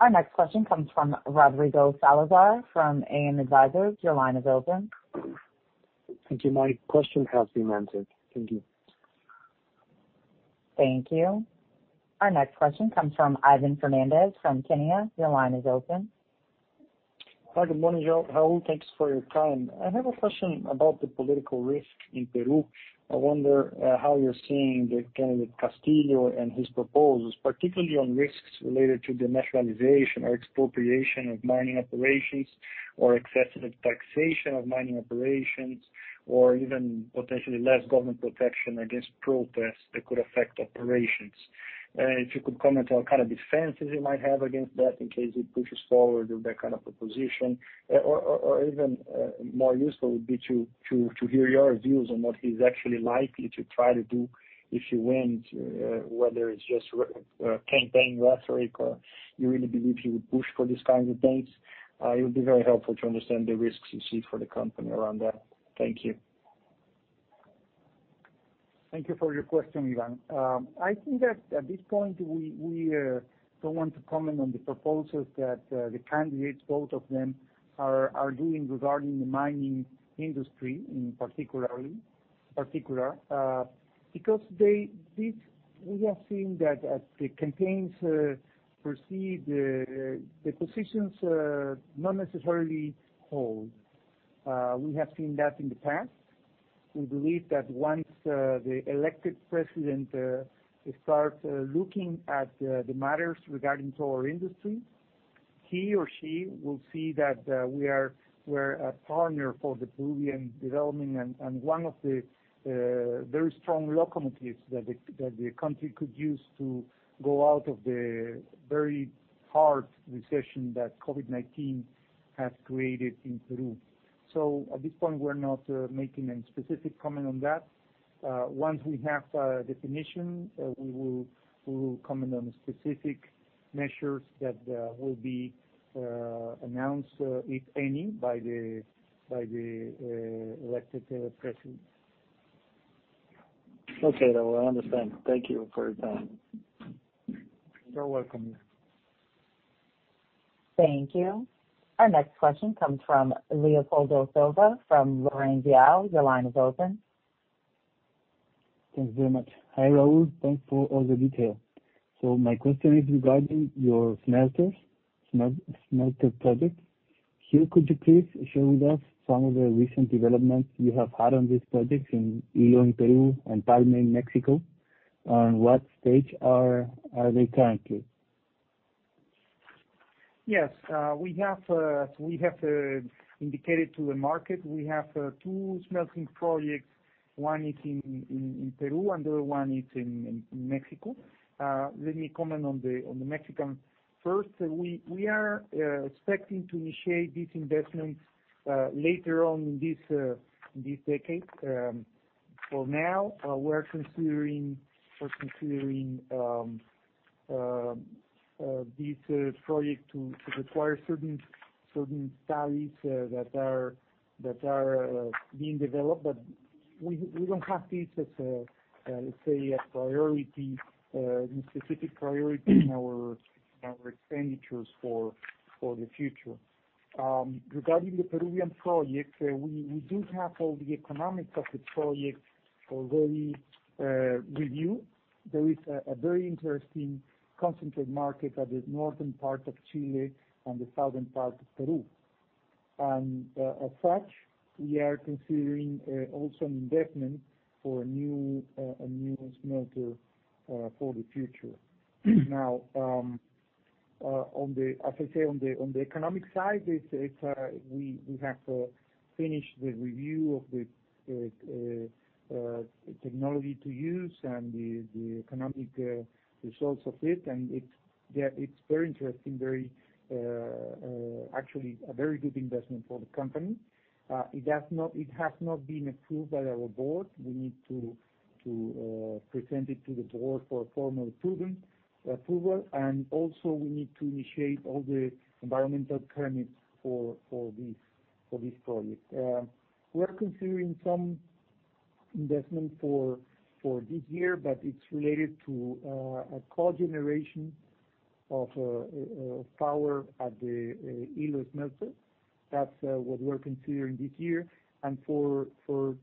Our next question comes from Rodrigo Salazar from AM Advisors. Your line is open. Thank you. My question has been answered. Thank you. Thank you. Our next question comes from Ivan Fernandez from KINEA. Your line is open. Hi, good morning, Raul. Thanks for your time. I have a question about the political risk in Peru. I wonder how you're seeing the candidate Castillo and his proposals, particularly on risks related to the nationalization or expropriation of mining operations or excessive taxation of mining operations, or even potentially less government protection against protests that could affect operations. If you could comment on what kind of defenses you might have against that in case he pushes forward with that kind of a position. Even more useful would be to hear your views on what he's actually likely to try to do if he wins, whether it's just campaign rhetoric or you really believe he would push for these kinds of things. It would be very helpful to understand the risks you see for the company around that. Thank you. Thank you for your question, Ivan. I think that at this point, we don't want to comment on the proposals that the candidates, both of them, are doing regarding the mining industry in particular because we have seen that as the campaigns proceed, the positions not necessarily hold. We have seen that in the past. We believe that once the elected president starts looking at the matters regarding to our industry, he or she will see that we're a partner for the Peruvian development and one of the very strong locomotives that the country could use to go out of the very hard recession that COVID-19 has created in Peru. At this point, we're not making any specific comment on that. Once we have a definition, we will comment on specific measures that will be announced, if any, by the elected president. Okay, Raul. I understand. Thank you for your time. You're welcome. Thank you. Our next question comes from Leopoldo Silva from LarrainVial. Your line is open. Thanks very much. Hi, Raul. Thanks for all the detail. My question is regarding your smelter project. Here could you please share with us some of the recent developments you have had on these projects in Ilo, Peru and Empalme, Mexico? On what stage are they currently? Yes. As we have indicated to the market, we have two smelting projects. One is in Peru, and the other one is in Mexico. Let me comment on the Mexican first. We are expecting to initiate these investments later on in this decade. For now, we're considering this project to require certain studies that are being developed, but we don't have this as a, let's say, a specific priority in our expenditures for the future. Regarding the Peruvian project, we do have all the economics of the project already reviewed. There is a very interesting concentrate market at the northern part of Chile and the southern part of Peru. As such, we are considering also an investment for a new smelter for the future. As I say, on the economic side, we have to finish the review of the technology to use and the economic results of it, and it's very interesting. Actually, a very good investment for the company. It has not been approved by our board. We need to present it to the board for formal approval, and also we need to initiate all the environmental permits for this project. We are considering some investment for this year, but it's related to a cogeneration of power at the Ilo smelter. That's what we're considering this year. For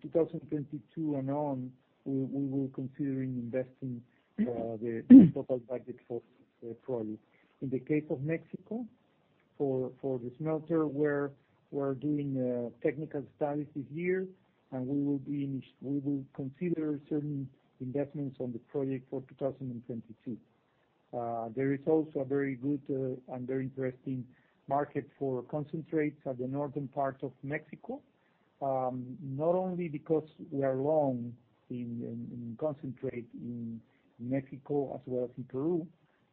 2022 and on, we will be considering investing the total budget for this project. In the case of Mexico, for the smelter, we're doing technical studies this year, and we will consider certain investments on the project for 2022. There is also a very good and very interesting market for concentrates at the northern parts of Mexico. Not only because we are long in concentrate in Mexico as well as in Peru,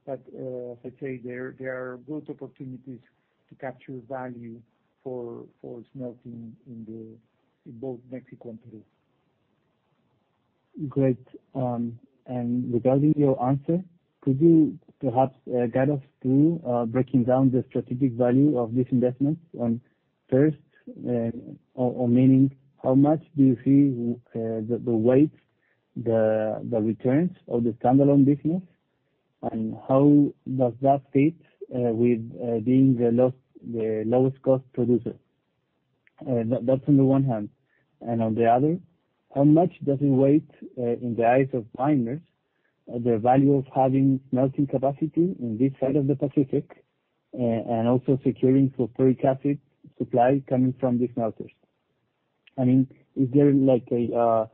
but as I say, there are good opportunities to capture value for smelting in both Mexico and Peru. Great. Regarding your answer, could you perhaps guide us through breaking down the strategic value of this investment on first, or meaning, how much do you see the returns of the standalone business? How does that fit with being the lowest cost producer? That's on the one hand. On the other, how much does it weigh, in the eyes of miners, the value of having smelting capacity in this side of the Pacific and also securing sulfuric acid supply coming from the smelters? I mean, is there like a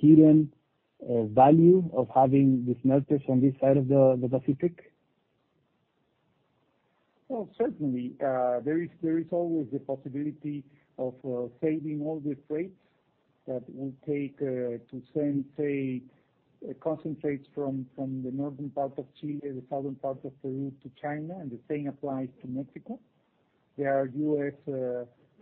hidden value of having the smelters on this side of the Pacific? Well, certainly, there is always the possibility of saving all the freight that will take to send, say, concentrates from the northern part of Chile, the southern part of Peru to China, and the same applies to Mexico. There are U.S.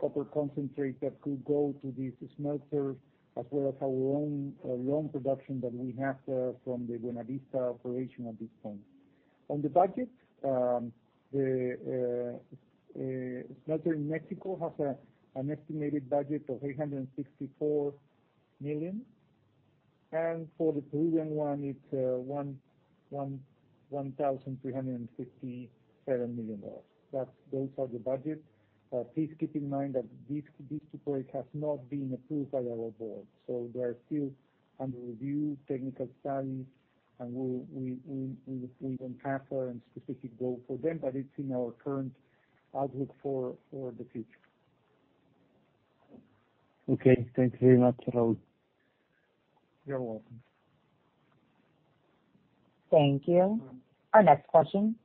copper concentrates that could go to these smelters as well as our own long production that we have there from the Buenavista operation at this point. On the budget, the smelter in Mexico has an estimated budget of $364 million, and for the Peruvian one, it's $1,357 million. Those are the budgets. Please keep in mind that this project has not been approved by our board. They are still under review, technical studies, and we don't have a specific go for them, but it's in our current outlook for the future. Okay. Thank you very much, Raul. You're welcome. Thank you. Our next question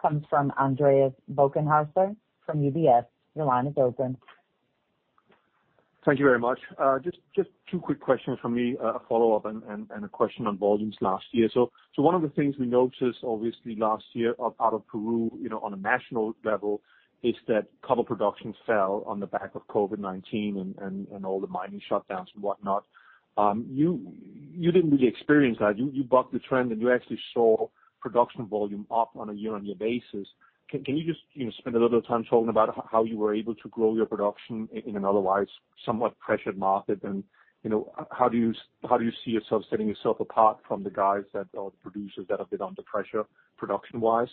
comes from Andreas Bokkenheuser from UBS. Your line is open. Thank you very much. Just two quick questions from me, a follow-up and a question on volumes last year. One of the things we noticed obviously last year out of Peru on a national level is that copper production fell on the back of COVID-19 and all the mining shutdowns and whatnot. You didn't really experience that. You bucked the trend, and you actually saw production volume up on a year-on-year basis. Can you just spend a little time talking about how you were able to grow your production in an otherwise somewhat pressured market? How do you see yourself setting yourself apart from the guys that are the producers that have been under pressure production-wise?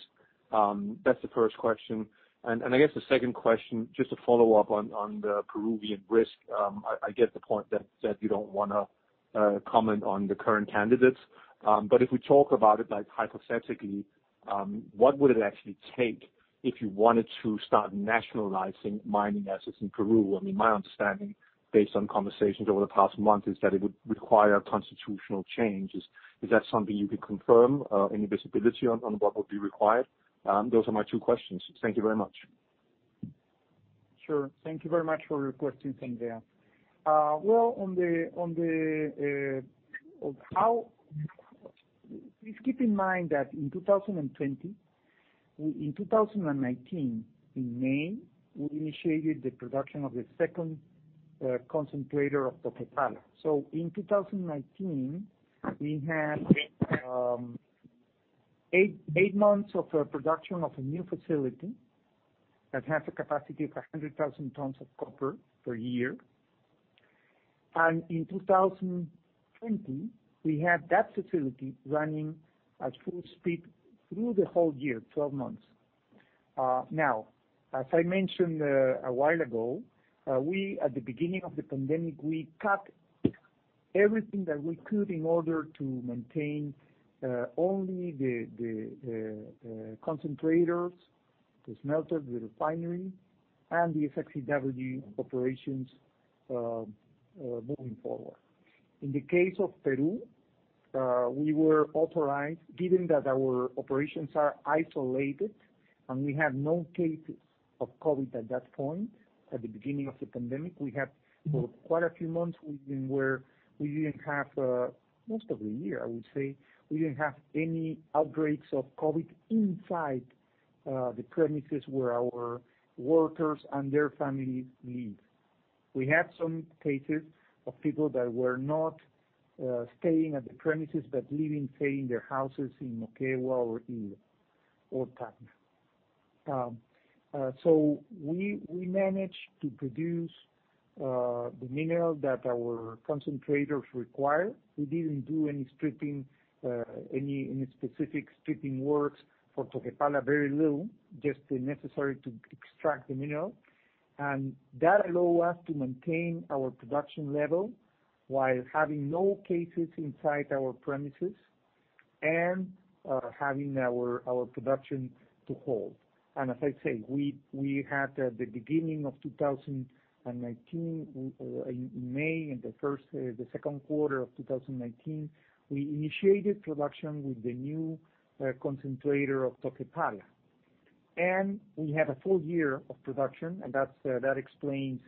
That's the first question. I guess the second question, just to follow up on the Peruvian risk. I get the point that you don't want to comment on the current candidates. If we talk about it hypothetically, what would it actually take if you wanted to start nationalizing mining assets in Peru? My understanding, based on conversations over the past month, is that it would require constitutional changes. Is that something you can confirm? Any visibility on what would be required? Those are my two questions. Thank you very much. Sure. Thank you very much for your questions, Andreas. Well, please keep in mind that in 2020, in 2019, in May, we initiated the production of the second concentrator of Toquepala. In 2019, we had eight months of production of a new facility that has a capacity of 100,000 tons of copper per year. In 2020, we had that facility running at full speed through the whole year, 12 months. Now, as I mentioned a while ago, at the beginning of the pandemic, we cut everything that we could in order to maintain only the concentrators, the smelter, the refinery, and the SX-EW operations moving forward. In the case of Peru, we were authorized, given that our operations are isolated and we have no cases of COVID at that point, at the beginning of the pandemic. We have for quite a few months, most of the year, I would say, we didn't have any outbreaks of COVID-19 inside the premises where our workers and their families live. We had some cases of people that were not staying at the premises but living, say, in their houses in Moquegua or Ilo or Tacna. We managed to produce the mineral that our concentrators require. We didn't do any specific stripping works for Toquepala, very little, just the necessary to extract the mineral. That allowed us to maintain our production level while having no cases inside our premises and having our production to hold. As I say, we had at the beginning of 2019, in May and the second quarter of 2019, we initiated production with the new concentrator of Toquepala. We had a full year of production, and that explains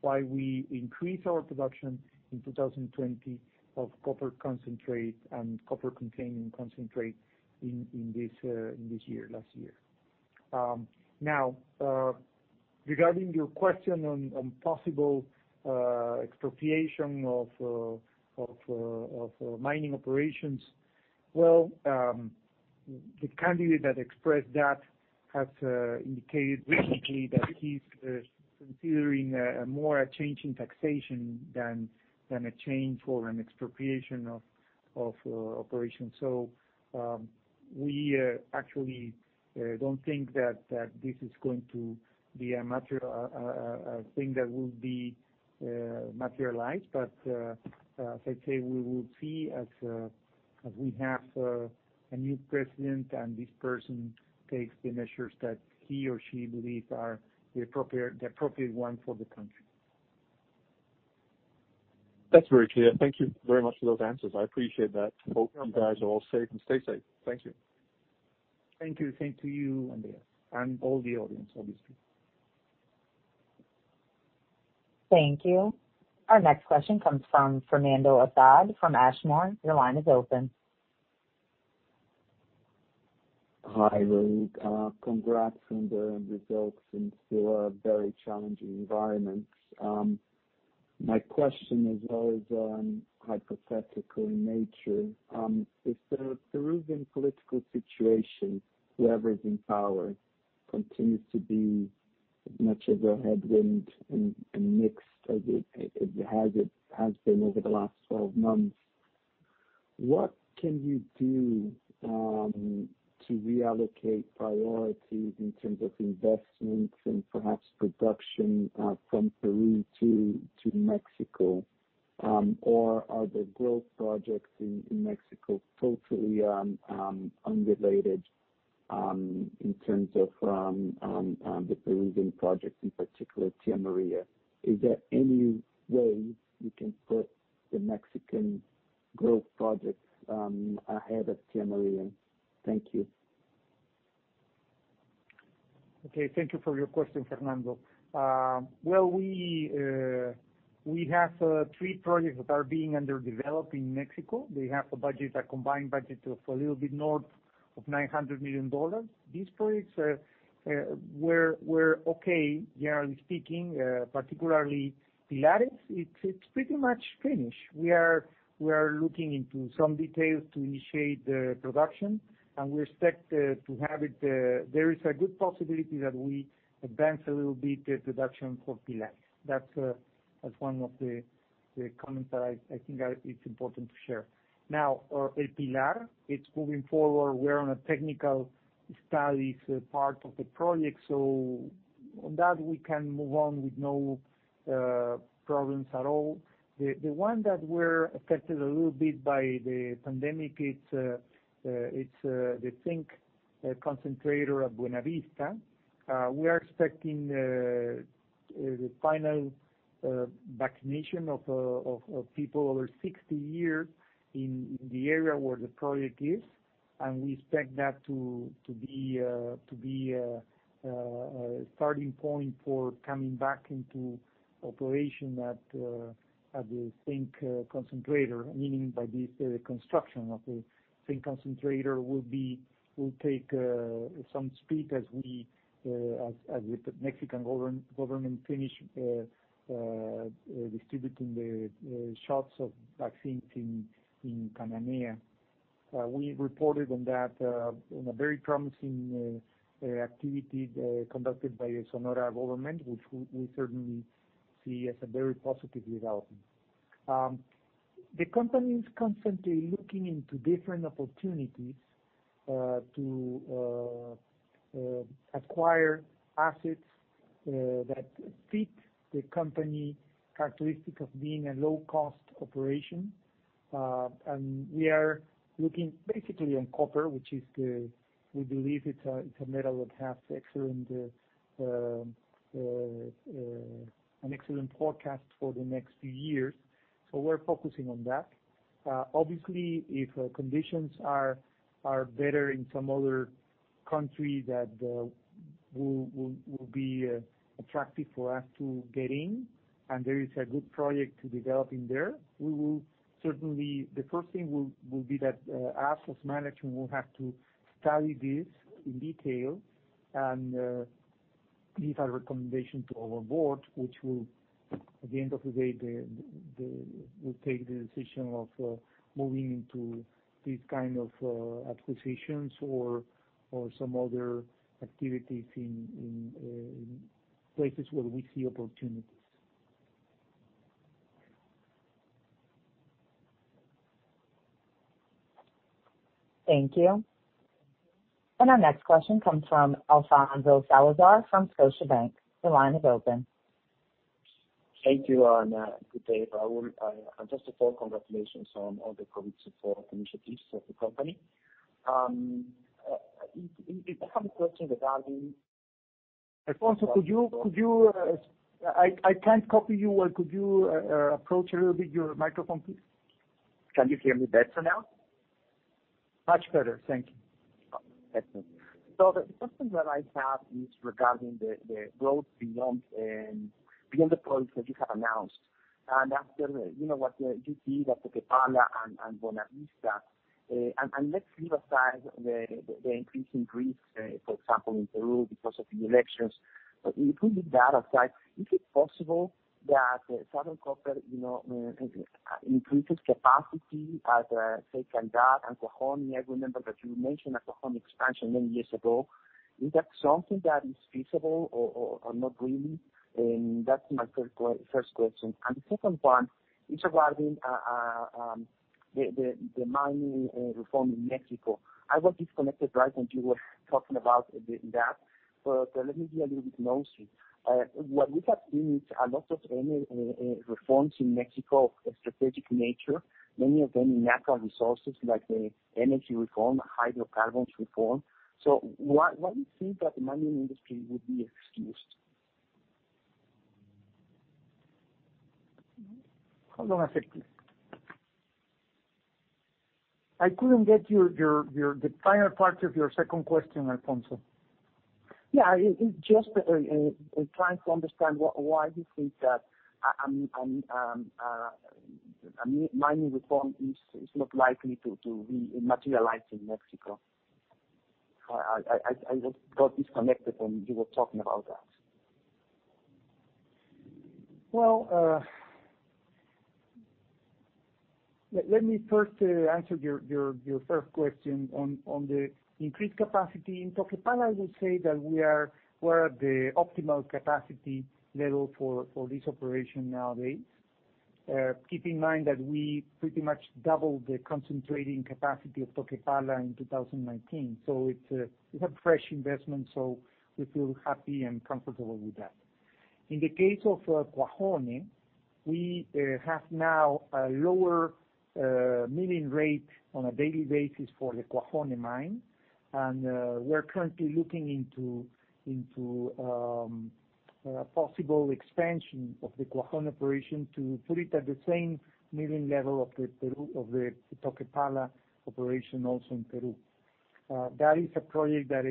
why we increased our production in 2020 of copper concentrate and copper-containing concentrate in this year, last year. Regarding your question on possible expropriation of mining operations. The candidate that expressed that has indicated recently that he's considering a more changing taxation than a change for an expropriation of operations. We actually don't think that this is going to be a thing that will be materialized. As I say, we will see as we have a new president and this person takes the measures that he or she believes are the appropriate one for the country. That's very clear. Thank you very much for those answers. I appreciate that. Hope you guys are all safe, and stay safe. Thank you. Thank you. Same to you, Andreas, and all the audience, obviously. Thank you. Our next question comes from Fernando Assad from Ashmore. Your line is open. Hi, Rodrigo. Congrats on the results in still a very challenging environment. My question is always on hypothetical in nature. If the Peruvian political situation, whoever is in power, continues to be as much of a headwind and mixed as it has been over the last 12 months, what can you do to reallocate priorities in terms of investments and perhaps production from Peru to Mexico? Are the growth projects in Mexico totally unrelated in terms of the Peruvian projects, in particular Tia Maria? Is there any way you can put the Mexican growth projects ahead of Tia Maria? Thank you. Okay. Thank you for your question, Fernando. Well, we have three projects that are being under development in Mexico. They have a combined budget of a little bit north of $900 million. These projects were okay, generally speaking. Particularly, Pilares, it's pretty much finished. We are looking into some details to initiate the production, and we expect to have it. There is a good possibility that we advance a little bit the production for Pilares. That's one of the comments that I think it's important to share. Pilares, it's moving forward. We're on a technical studies part of the project, so on that, we can move on with no problems at all. The one that we're affected a little bit by the pandemic, it's the zinc concentrator at Buenavista. We are expecting the final vaccination of people over 60 years in the area where the project is, and we expect that to be a starting point for coming back into operation at the zinc concentrator. Meaning by this, the construction of the zinc concentrator will take some speed as the Mexican government finish distributing the shots of vaccines in Cananea. We reported on that on a very promising activity conducted by the Sonora government, which we certainly see as a very positive development. The company is constantly looking into different opportunities to acquire assets that fit the company characteristic of being a low-cost operation. We are looking basically on copper, which we believe it's a metal that has an excellent forecast for the next few years. We're focusing on that. Obviously, if conditions are better in some other country that will be attractive for us to get in, and there is a good project to develop in there, the first thing will be that us as management will have to study this in detail and give our recommendation to our board, which will, at the end of the day, will take the decision of moving into these kind of acquisitions or some other activities in places where we see opportunities. Thank you. Our next question comes from Alfonso Salazar from Scotiabank. Your line is open. Thank you, and good day, Raul. Just a quick congratulations on all the COVID support initiatives of the company. I have a question regarding. Alfonso, I can't copy you. Could you approach a little bit your microphone, please? Can you hear me better now? Much better. Thank you. The question that I have is regarding the growth beyond the projects that you have announced. After what you see at Toquepala and Buenavista. Let's leave aside the increasing risks, for example, in Peru because of the elections. If we leave that aside, is it possible that Southern Copper increases capacity at Toquepala that and Cuajone? I remember that you mentioned a Cuajone expansion many years ago. Is that something that is feasible or not really? That's my first question. The second one is regarding the mining reform in Mexico. I got disconnected right when you were talking about that. Let me be a little bit nosy. What we have seen is a lot of reforms in Mexico of a strategic nature, many of them in natural resources like the energy reform, hydrocarbons reform. Why do you think that the mining industry would be excused? Hold on a second. I couldn't get the final part of your second question, Alfonso. Yeah, just trying to understand why you think that a mining reform is not likely to re-materialize in Mexico. I got disconnected when you were talking about that. Well, let me first answer your first question on the increased capacity. In Toquepala, I would say that we're at the optimal capacity level for this operation nowadays. Keep in mind that we pretty much doubled the concentrating capacity of Toquepala in 2019. It's a fresh investment. We feel happy and comfortable with that. In the case of Cuajone, we have now a lower milling rate on a daily basis for the Cuajone mine, and we're currently looking into a possible expansion of the Cuajone operation to put it at the same milling level of the Toquepala operation also in Peru. That is a project that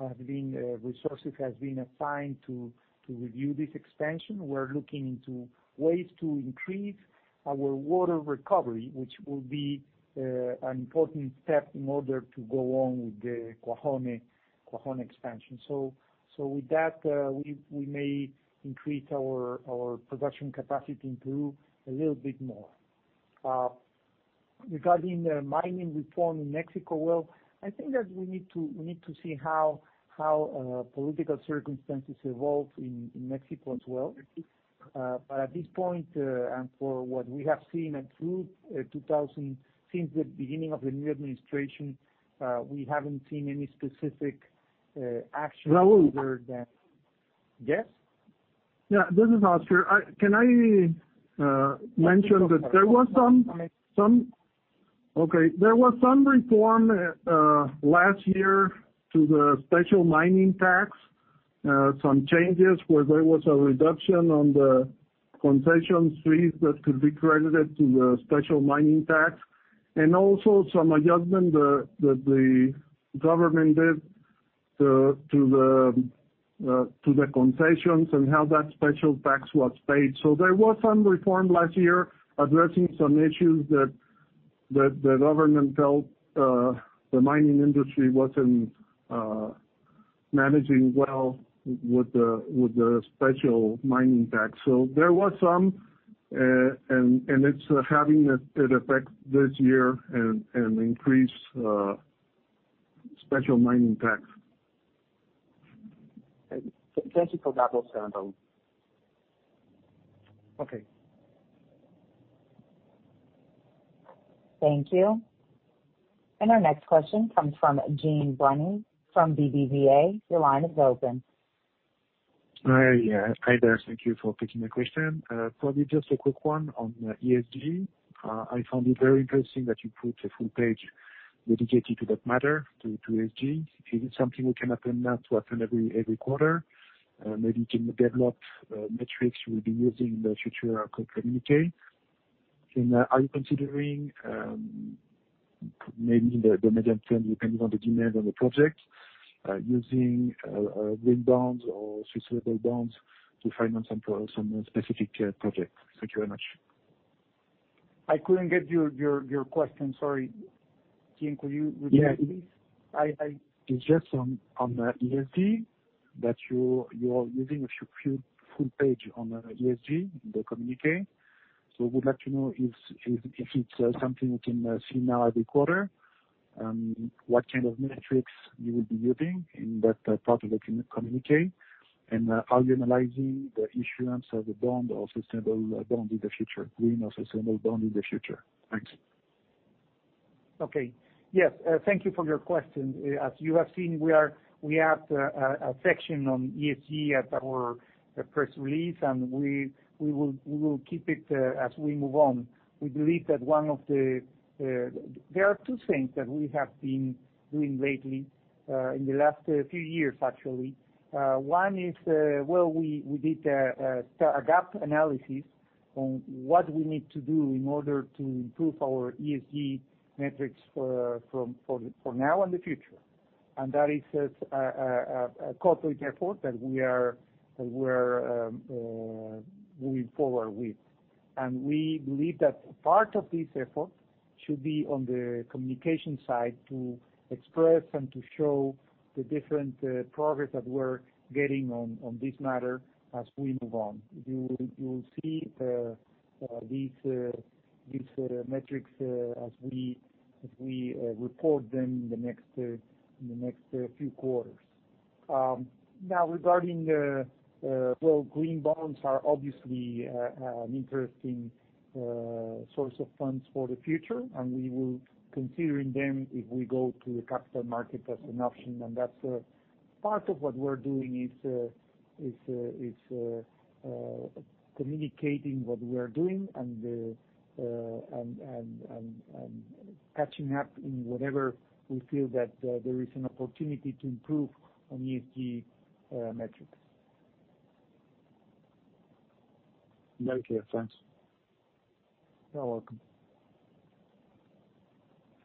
resources has been assigned to review this expansion. We're looking into ways to increase our water recovery, which will be an important step in order to go on with the Cuajone expansion. With that, we may increase our production capacity in Peru a little bit more. Regarding the mining reform in Mexico, well, I think that we need to see how political circumstances evolve in Mexico as well. At this point, and for what we have seen through 2000, since the beginning of the new administration, we haven't seen any specific action other than- Raul? Yes? Yeah. This is Oscar. Can I mention that there was some reform last year to the special mining tax, some changes where there was a reduction on the concession fees that could be credited to the special mining tax, and also some adjustment that the government did to the concessions and how that special tax was paid. There was some reform last year addressing some issues that the government felt the mining industry wasn't managing well with the special mining tax. There was some, and it's having that effect this year and increase special mining tax. Thank you for that, Oscar. Okay. Thank you. Our next question comes from Jean Bruny from BBVA. Your line is open. Hi there. Thank you for taking the question. Probably just a quick one on ESG. I found it very interesting that you put a full page dedicated to that matter, to ESG. Is it something we can attend now to attend every quarter? Maybe can you develop metrics you will be using in the future communique? Are you considering maybe in the medium term, depending on the demand on the project, using green bonds or sustainable bonds to finance some specific projects? Thank you very much. I couldn't get your question, sorry. Jean, could you repeat please? It's just on the ESG, that you're using a few full page on ESG in the communique. We would like to know if it's something we can see now every quarter, what kind of metrics you will be using in that part of the communique. Are you analyzing the issuance of the bond or sustainable bond in the future? Green or sustainable bond in the future. Thanks. Okay. Yes, thank you for your question. As you have seen, we have a section on ESG at our press release. We will keep it as we move on. There are two things that we have been doing lately, in the last few years, actually. One is we did a gap analysis on what we need to do in order to improve our ESG metrics for now and the future. That is a quarterly effort that we are moving forward with. We believe that part of this effort should be on the communication side to express and to show the different progress that we're getting on this matter as we move on. You will see these metrics as we report them in the next few quarters. Now, regarding green bonds are obviously an interesting source of funds for the future, and we will considering them if we go to the capital market as an option. That's part of what we're doing is communicating what we're doing and catching up in whatever we feel that there is an opportunity to improve on ESG metrics. Okay, thanks. You're welcome.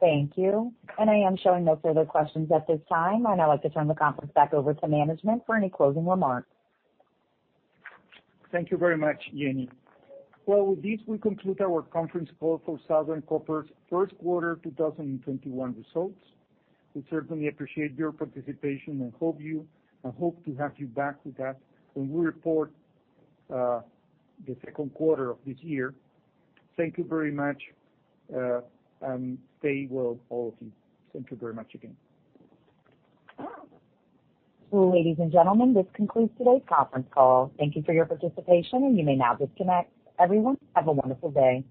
Thank you. I am showing no further questions at this time. I'd now like to turn the conference back over to management for any closing remarks. Thank you very much, Jenny. Well, with this we conclude our conference call for Southern Copper's first quarter 2021 results. We certainly appreciate your participation and hope to have you back with us when we report the second quarter of this year. Thank you very much. Stay well, all of you. Thank you very much again. Ladies and gentlemen, this concludes today's conference call. Thank you for your participation, and you may now disconnect. Everyone, have a wonderful day.